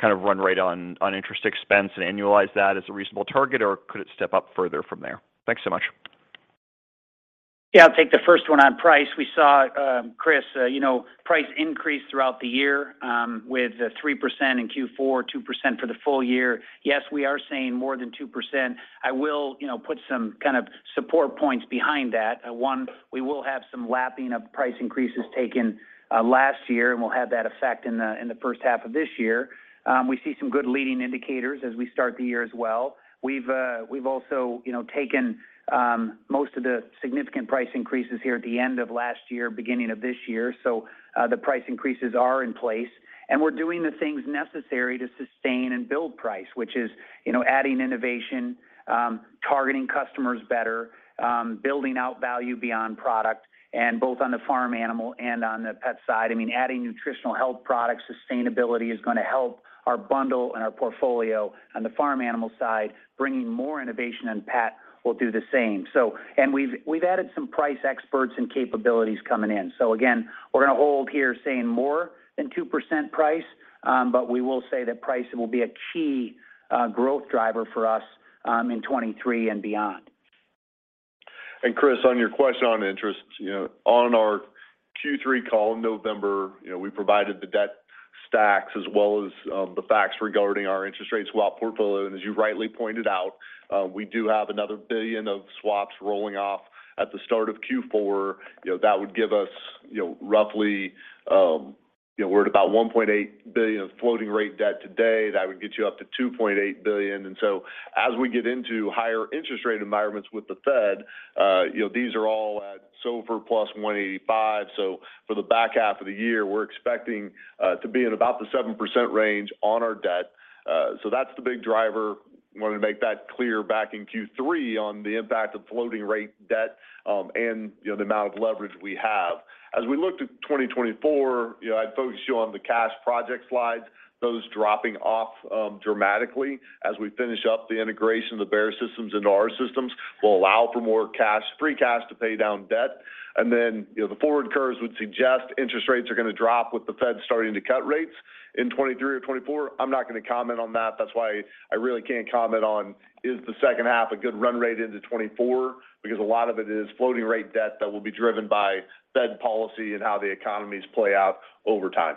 [SPEAKER 8] kind of run right on interest expense and annualize that as a reasonable target, or could it step up further from there? Thanks so much.
[SPEAKER 3] I'll take the first one on price. We saw, Chris, you know, price increase throughout the year, with 3% in Q4, 2% for the full year. Yes, we are seeing more than 2%. I will, you know, put some kind of support points behind that. One, we will have some lapping of price increases taken last year, and we'll have that effect in the, in the first half of this year. We see some good leading indicators as we start the year as well. We've also, you know, taken, most of the significant price increases here at the end of last year, beginning of this year. The price increases are in place, and we're doing the things necessary to sustain and build price, which is, you know, adding innovation, targeting customers better, building out value beyond product and both on the farm animal and on the pet side. I mean, adding nutritional health products, sustainability is gonna help our bundle and our portfolio. On the farm animal side, bringing more innovation in pet will do the same. We've added some price experts and capabilities coming in. Again, we're gonna hold here saying more than 2% price, but we will say that pricing will be a key growth driver for us in 2023 and beyond.
[SPEAKER 4] Chris, on your question on interest, you know, on our Q3 call in November, you know, we provided the debt stacks as well as the facts regarding our interest rate swap portfolio. As you rightly pointed out, we do have another billion of swaps rolling off at the start of Q4. That would give us, you know, roughly, we're at about $1.8 billion of floating rate debt today. That would get you up to $2.8 billion. As we get into higher interest rate environments with the Fed, you know, these are all at SOFR plus 185. For the back half of the year, we're expecting to be in about the 7% range on our debt. That's the big driver. Wanted to make that clear back in Q3 on the impact of floating rate debt, and, you know, the amount of leverage we have. We look to 2024, you know, I'd focused you on the cash project slides, those dropping off dramatically. We finish up the integration of the Bayer systems into our systems, will allow for more cash, free cash to pay down debt. You know, the forward curves would suggest interest rates are gonna drop with the Fed starting to cut rates in 2023 or 2024. I'm not gonna comment on that. That's why I really can't comment on, is the second half a good run rate into 2024? A lot of it is floating rate debt that will be driven by Fed policy and how the economies play out over time.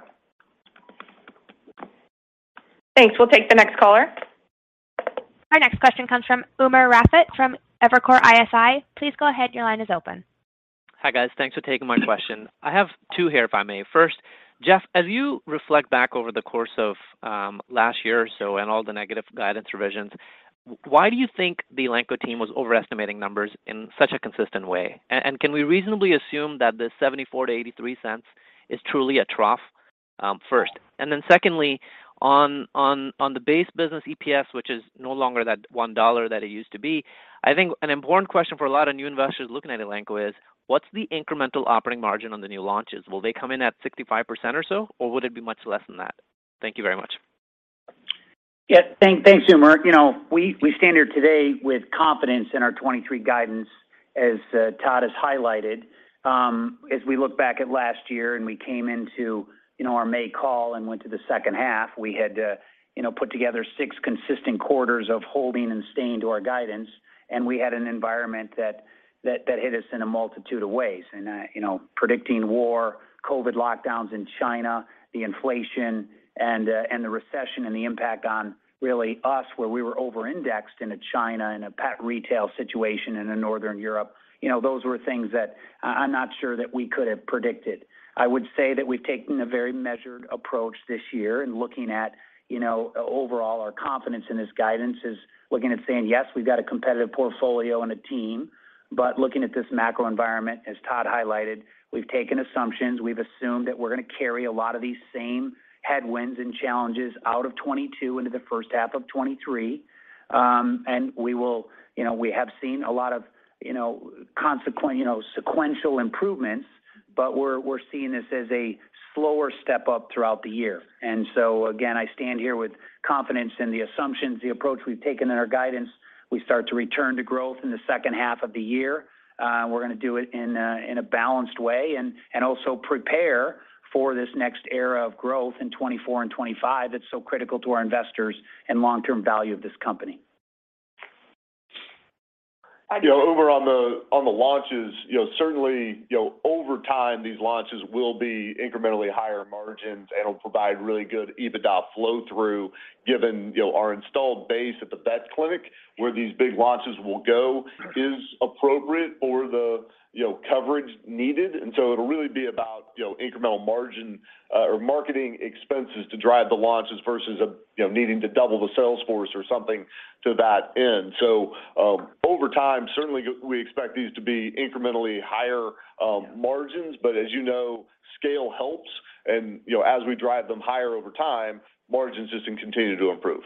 [SPEAKER 2] Thanks. We'll take the next caller.
[SPEAKER 1] Our next question comes from Umer Raffat from Evercore ISI. Please go ahead. Your line is open.
[SPEAKER 9] Hi, guys. Thanks for taking my question. I have two here, if I may. First, Jeff, as you reflect back over the course of last year or so and all the negative guidance revisions, why do you think the Elanco team was overestimating numbers in such a consistent way? Can we reasonably assume that the $0.74-$0.83 is truly a trough, first? Secondly, on the base business EPS, which is no longer that $1 that it used to be, I think an important question for a lot of new investors looking at Elanco is, what's the incremental operating margin on the new launches? Will they come in at 65% or so, or would it be much less than that? Thank you very much.
[SPEAKER 3] Yeah. Thanks, Umer. You know, we stand here today with confidence in our 2023 guidance, as Todd has highlighted. As we look back at last year and we came into, you know, our May call and went to the second half, we had to, you know, put together six consistent quarters of holding and staying to our guidance. We had an environment that hit us in a multitude of ways. You know, predicting war, COVID lockdowns in China, the inflation and the recession and the impact on really us, where we were over-indexed into China in a pet retail situation and in Northern Europe. You know, those were things that I'm not sure that we could have predicted. I would say that we've taken a very measured approach this year in looking at, you know, overall our confidence in this guidance is looking at saying, yes, we've got a competitive portfolio and a team. Looking at this macro environment, as Todd highlighted, we've taken assumptions. We've assumed that we're gonna carry a lot of these same headwinds and challenges out of 2022 into the first half of 2023. You know, we have seen a lot of, you know, sequential improvements, but we're seeing this as a slower step-up throughout the year. Again, I stand here with confidence in the assumptions, the approach we've taken in our guidance. We start to return to growth in the second half of the year. We're gonna do it in a balanced way, and also prepare for this next era of growth in 2024 and 2025 that's so critical to our investors and long-term value of this company.
[SPEAKER 4] You know, over on the, on the launches, you know, certainly, you know, over time, these launches will be incrementally higher margins and will provide really good EBITDA flow-through given, you know, our installed base at the vet clinic where these big launches will go is appropriate for the, you know, coverage needed. It'll really be about, you know, incremental margin or marketing expenses to drive the launches versus a, you know, needing to double the sales force or something to that end. Over time, certainly we expect these to be incrementally higher margins. As you know, scale helps. You know, as we drive them higher over time, margins just can continue to improve.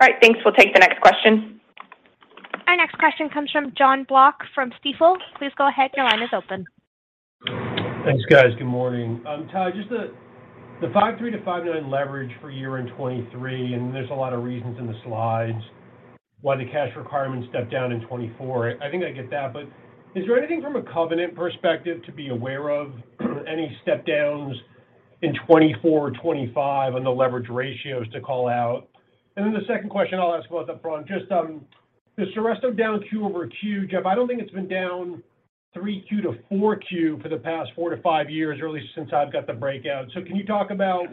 [SPEAKER 2] All right. Thanks. We'll take the next question.
[SPEAKER 1] Our next question comes from Jon Block from Stifel. Please go ahead. Your line is open.
[SPEAKER 10] Thanks, guys. Good morning. Todd, just the 5.3-5.9 leverage for year-end 2023, and there's a lot of reasons in the slides why the cash requirements step down in 2024. I think I get that. Is there anything from a covenant perspective to be aware of, any step downs in 2024 or 2025 on the leverage ratios to call out? The second question I'll ask about the front, just, is Seresto down two over two, Jeff? I don't think it's been down 3Q to 4Q for the past 4-5 years, or at least since I've got the breakout. Can you talk about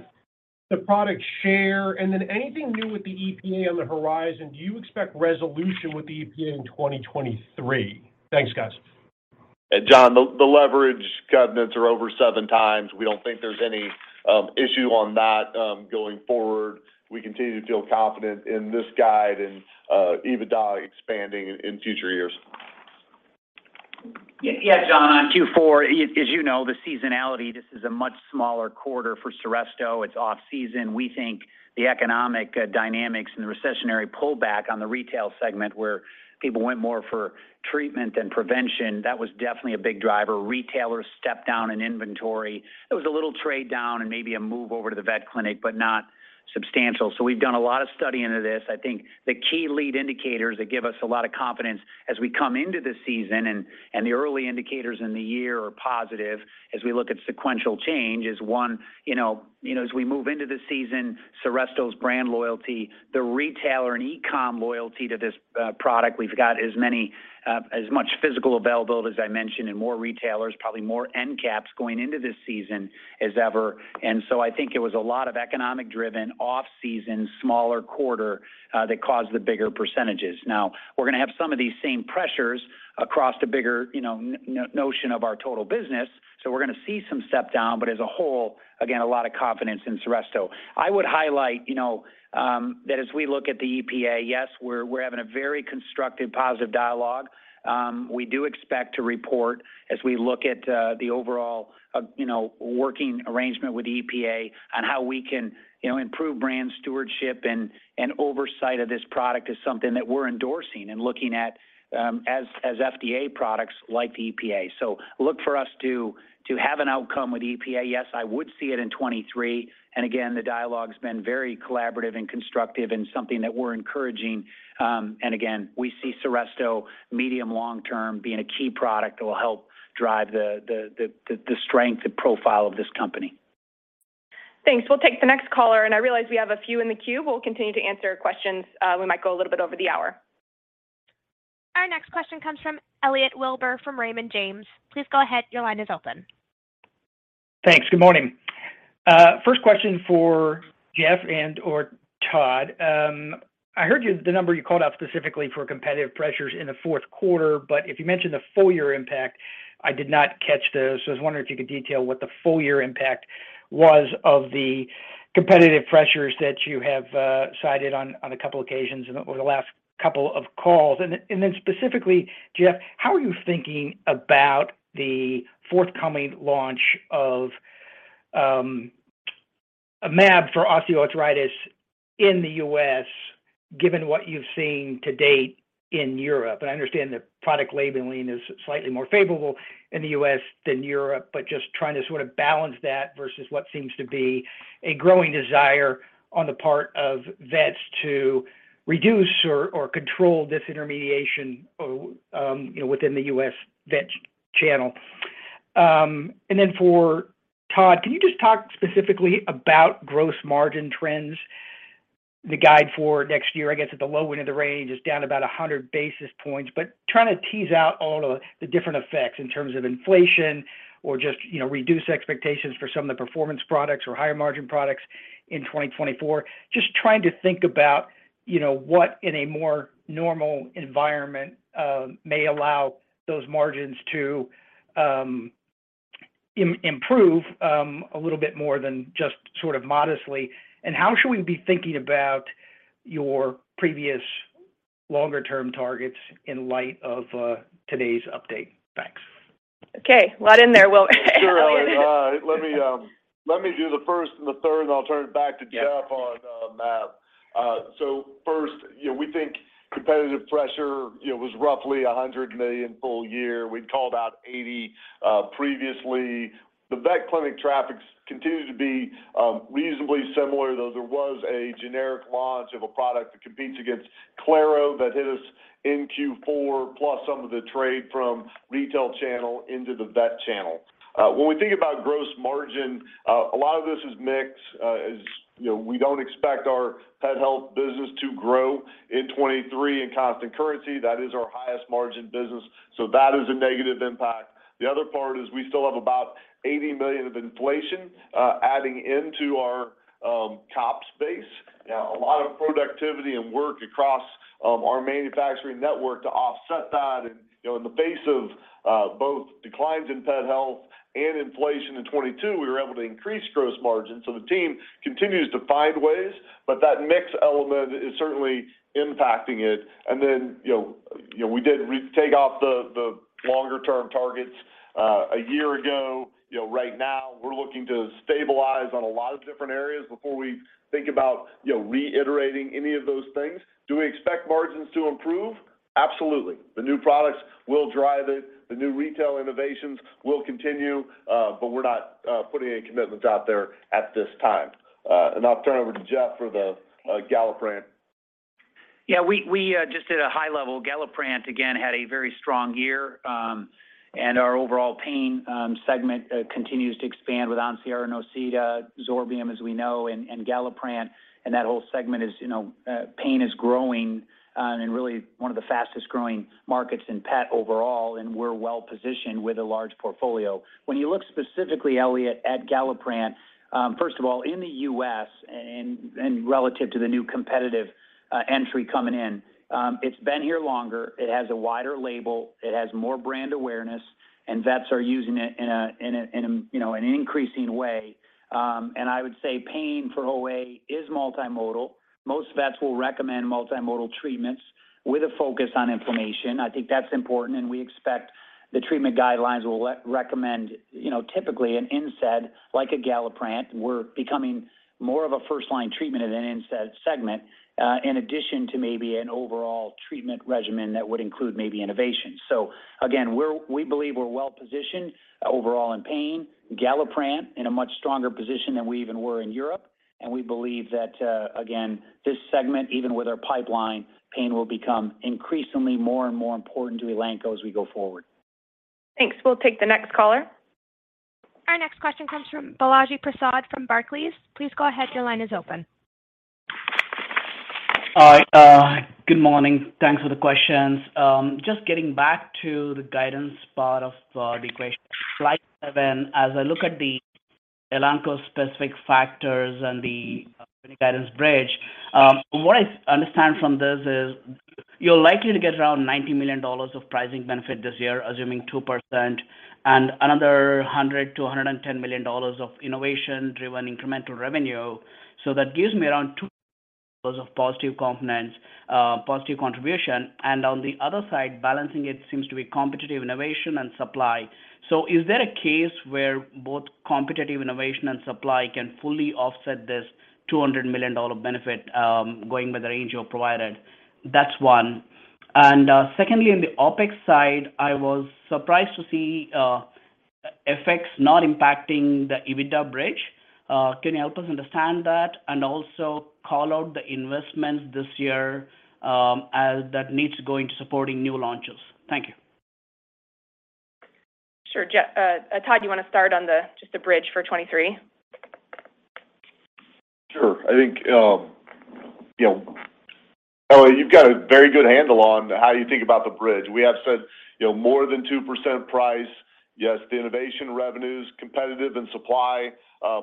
[SPEAKER 10] the product share? Anything new with the EPA on the horizon, do you expect resolution with the EPA in 2023? Thanks, guys.
[SPEAKER 4] Jon, the leverage covenants are over seven times. We don't think there's any issue on that going forward. We continue to feel confident in this guide and EBITDA expanding in future years.
[SPEAKER 3] Yeah, Jon. On Q4, as you know, the seasonality, this is a much smaller quarter for Seresto. It's off-season. We think the economic dynamics and the recessionary pullback on the retail segment where people went more for treatment than prevention, that was definitely a big driver. Retailers stepped down in inventory., It was a little trade down and maybe a move over to the vet clinic, but not substantial. We've done a lot of study into this. I think the key lead indicators that give us a lot of confidence as we come into the season and the early indicators in the year are positive as we look at sequential change is one, you know, as we move into the season, Seresto's brand loyalty, the retailer and e-com loyalty to this product. We've got as many, as much physical availability, as I mentioned, and more retailers, probably more end caps going into this season as ever. I think it was a lot of economic-driven off-season, smaller quarter, that caused the bigger percentages. We're gonna have some of these same pressures across the bigger, you know, notion of our total business. We're gonna see some step down, but as a whole, again, a lot of confidence in Seresto. I would highlight, you know, that as we look at the EPA, yes, we're having a very constructive, positive dialogue. We do expect to report as we look at, you know, the overall, you know, working arrangement with EPA on how we can, you know, improve brand stewardship and oversight of this product is something that we're endorsing and looking at, as FDA products like the EPA. Look for us to have an outcome with EPA. Yes, I would see it in 23. Again, the dialogue's been very collaborative and constructive and something that we're encouraging. Again, we see Seresto medium long term being a key product that will help drive the strength and profile of this company.
[SPEAKER 2] Thanks. We'll take the next caller, and I realize we have a few in the queue. We'll continue to answer questions. We might go a little bit over the hour.
[SPEAKER 1] Our next question comes from Elliot Wilbur from Raymond James. Please go ahead. Your line is open.
[SPEAKER 11] Thanks. Good morning. First question for Jeff and or Todd. I heard the number you called out specifically for competitive pressures in the fourth quarter, but if you mentioned the full year impact, I did not catch those. I was wondering if you could detail what the full year impact was of the competitive pressures that you have cited on a couple occasions over the last couple of calls. Then specifically, Jeff, how are you thinking about the forthcoming launch of a mAb for osteoarthritis in the U.S., given what you've seen to date in Europe? I understand the product labeling is slightly more favorable in the U.S. than Europe, but just trying to sort of balance that versus what seems to be a growing desire on the part of vets to reduce or control disintermediation, you know, within the U.S. vet channel. For Todd, can you just talk specifically about gross margin trends? The guide for next year, I guess, at the low end of the range is down about 100 basis points, but trying to tease out all of the different effects in terms of inflation or just, you know, reduced expectations for some of the performance products or higher margin products in 2024. Just trying to think about, you know, what in a more normal environment may allow those margins to improve a little bit more than just sort of modestly. How should we be thinking about your previous longer-term targets in light of today's update? Thanks.
[SPEAKER 2] Okay. A lot in there, Will.
[SPEAKER 4] Sure. Let me do the first and the third, and I'll turn it back to Jeff on mAb. First, you know, we think competitive pressure, you know, was roughly $100 million full year. We'd called out 80 previously. The vet clinic traffic continued to be reasonably similar, though there was a generic launch of a product that competes against Claro® that hit us in Q4, plus some of the trade from retail channel into the vet channel. When we think about gross margin, a lot of this is mix. As you know, we don't expect our pet health business to grow in 2023 in constant currency. That is our highest margin business. That is a negative impact. The other part is we still have about $80 million of inflation adding into our COGS space. A lot of productivity and work across our manufacturing network to offset that. You know, in the face of both declines in pet health and inflation in 22, we were able to increase gross margin. The team continues to find ways, but that mix element is certainly impacting it. You know, we did take off the longer term targets a year ago. You know, right now we're looking to stabilize on a lot of different areas before we think about, you know, reiterating any of those things. Do we expect margins to improve? Absolutely. The new products will drive it. The new retail innovations will continue, but we're not putting any commitments out there at this time. I'll turn over to Jeff for the Galliprant.
[SPEAKER 3] Yeah, we just did a high level. Galliprant, again, had a very strong year. Our overall pain segment continues to expand with Onsior and Osyda, Zorbium, as we know, and Galliprant. That whole segment is, you know, pain is growing and really one of the fastest-growing markets in pet overall, and we're well-positioned with a large portfolio. When you look specifically, Elliot, at Galliprant, first of all, in the U.S. and relative to the new competitive entry coming in, it's been here longer. It has a wider label. It has more brand awareness, and vets are using it in a, you know, an increasing way. I would say pain for OA is multimodal. Most vets will recommend multimodal treatments with a focus on inflammation. I think that's important, and we expect the treatment guidelines will re-recommend, you know, typically an NSAID, like a Galliprant. We're becoming more of a first-line treatment in an NSAID segment, in addition to maybe an overall treatment regimen that would include maybe innovation. Again, we believe we're well-positioned overall in pain. Galliprant in a much stronger position than we even were in Europe. We believe that, again, this segment, even with our pipeline, pain will become increasingly more and more important to Elanco as we go forward.
[SPEAKER 2] Thanks. We'll take the next caller.
[SPEAKER 1] Our next question comes from Balaji Prasad from Barclays. Please go ahead. Your line is open.
[SPEAKER 12] All right. Good morning. Thanks for the questions. Just getting back to the guidance part of the question. Slide seven, as I look at the Elanco's specific factors and the guidance bridge. What I understand from this is you're likely to get around $90 million of pricing benefit this year, assuming 2% and another $100 million-$110 million of innovation-driven incremental revenue. That gives me around two of positive components, positive contribution. On the other side, balancing it seems to be competitive innovation and supply. Is there a case where both competitive innovation and supply can fully offset this $200 million benefit, going by the range you have provided? That's one. Secondly, on the OpEx side, I was surprised to see FX not impacting the EBITDA bridge. Can you help us understand that and also call out the investments this year, as that needs to go into supporting new launches? Thank you.
[SPEAKER 2] Sure. Todd, you want to start on the, just the bridge for 23?
[SPEAKER 4] Sure. I think, you know, you've got a very good handle on how you think about the bridge. We have said, you know, more than 2% price. Yes, the innovation revenue is competitive and supply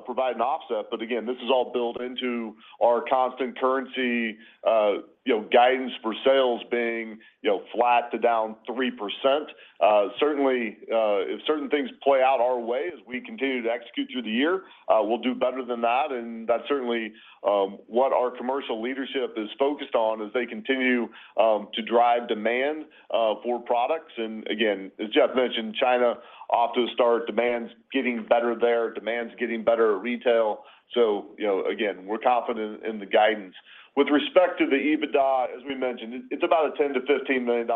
[SPEAKER 4] provide an offset. Again, this is all built into our constant currency, you know, guidance for sales being, you know, flat to down 3%. Certainly, if certain things play out our way as we continue to execute through the year, we'll do better than that. That's certainly what our commercial leadership is focused on as they continue to drive demand for products. Again, as Jeff mentioned, China off to a start, demand's getting better there, demand's getting better at retail. Again, we're confident in the guidance. With respect to the EBITDA, as we mentioned, it's about a $10 million-$15 million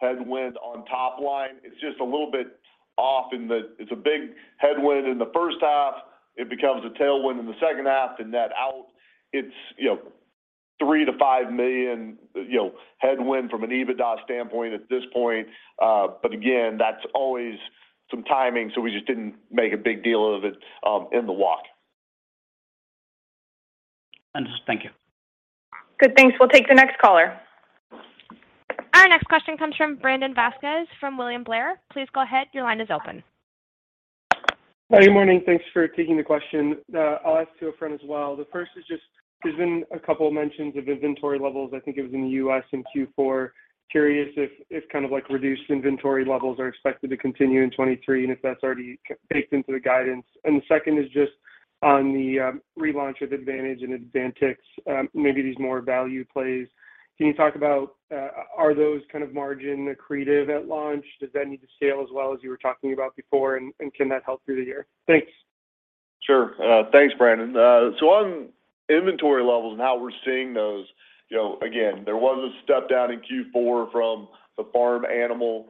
[SPEAKER 4] headwind on top line. It's just a little bit off in that it's a big headwind in the first half. It becomes a tailwind in the second half. Net out, it's, you know, a $3 million-$5 million, you know, headwind from an EBITDA standpoint at this point. Again, that's always some timing, so we just didn't make a big deal of it in the walk.
[SPEAKER 12] Understood. Thank you.
[SPEAKER 2] Good. Thanks. We'll take the next caller.
[SPEAKER 1] Our next question comes from Brandon Vazquez from William Blair. Please go ahead. Your line is open.
[SPEAKER 13] Good morning. Thanks for taking the question. I'll ask to a friend as well. The first is just there's been a couple mentions of inventory levels. I think it was in the U.S. in Q4. Curious if kind of like reduced inventory levels are expected to continue in 23 and if that's already baked into the guidance. The second is just on the relaunch of Advantage and Advantix, maybe these more value plays. Can you talk about, are those kind of margin accretive at launch? Does that need to scale as well as you were talking about before? Can that help through the year? Thanks.
[SPEAKER 4] Sure. Thanks, Brandon. On inventory levels and how we're seeing those, you know, again, there was a step down in Q4 from the farm animal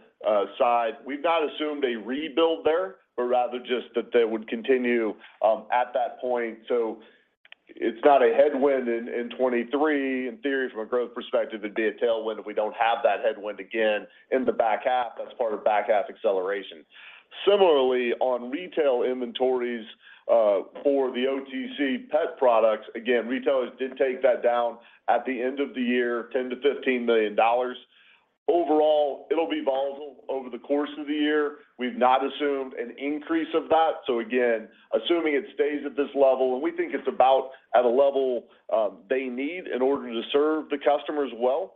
[SPEAKER 4] side. We've not assumed a rebuild there, but rather just that they would continue at that point. It's not a headwind in 2023. In theory, from a growth perspective, it'd be a tailwind if we don't have that headwind again in the back half. That's part of back half acceleration. Similarly, on retail inventories, for the OTC pet products, again, retailers did take that down at the end of the year, $10 million-$15 million. Overall, it'll be volatile over the course of the year. We've not assumed an increase of that. Again, assuming it stays at this level, and we think it's about at a level they need in order to serve the customers well,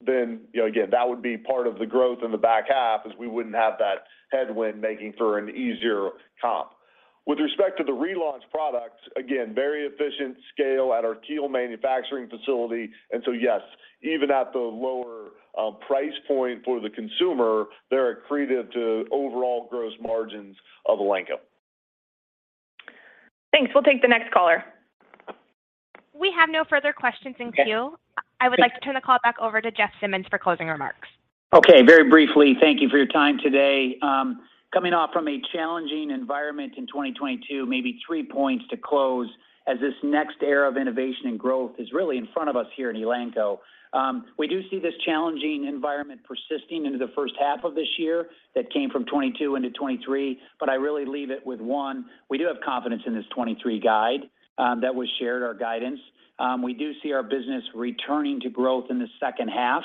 [SPEAKER 4] then, you know, again, that would be part of the growth in the back half as we wouldn't have that headwind making for an easier comp. With respect to the relaunch products, again, very efficient scale at our Kiel manufacturing facility. Yes, even at the lower price point for the consumer, they're accretive to overall gross margins of Elanco.
[SPEAKER 2] Thanks. We'll take the next caller. We have no further questions in queue.
[SPEAKER 4] Okay.
[SPEAKER 2] I would like to turn the call back over to Jeff Simmons for closing remarks.
[SPEAKER 3] Okay. Very briefly, thank you for your time today. Coming off from a challenging environment in 2022, maybe 3 points to close as this next era of innovation and growth is really in front of us here in Elanco. We do see this challenging environment persisting into the first half of this year that came from 22 into 23. I really leave it with 1. We do have confidence in this 23 guide, that was shared, our guidance. We do see our business returning to growth in the second half.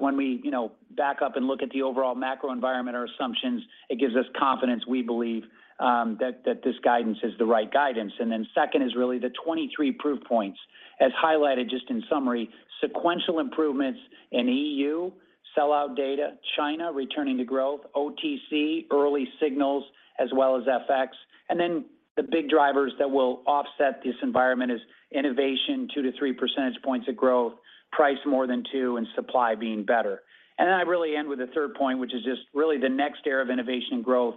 [SPEAKER 3] When we, you know, back up and look at the overall macro environment, our assumptions, it gives us confidence, we believe, that this guidance is the right guidance. And then second is really the 23 proof points. As highlighted just in summary, sequential improvements in EU, sellout data, China returning to growth, OTC, early signals, as well as FX. The big drivers that will offset this environment is innovation, two to three percentage points of growth, price more than two, and supply being better. I really end with the third point, which is just really the next era of innovation and growth.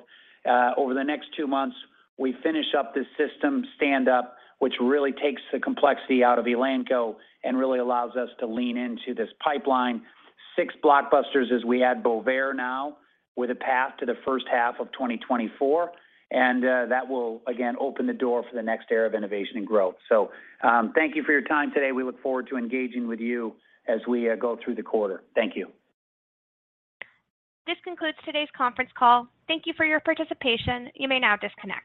[SPEAKER 3] Over the next two months, we finish up this system stand-up, which really takes the complexity out of Elanco and really allows us to lean into this pipeline. Six blockbusters as we add Bovaer now with a path to the first half of 2024. That will again open the door for the next era of innovation and growth. Thank you for your time today. We look forward to engaging with you as we go through the quarter. Thank you.
[SPEAKER 1] This concludes today's conference call. Thank you for your participation. You may now disconnect.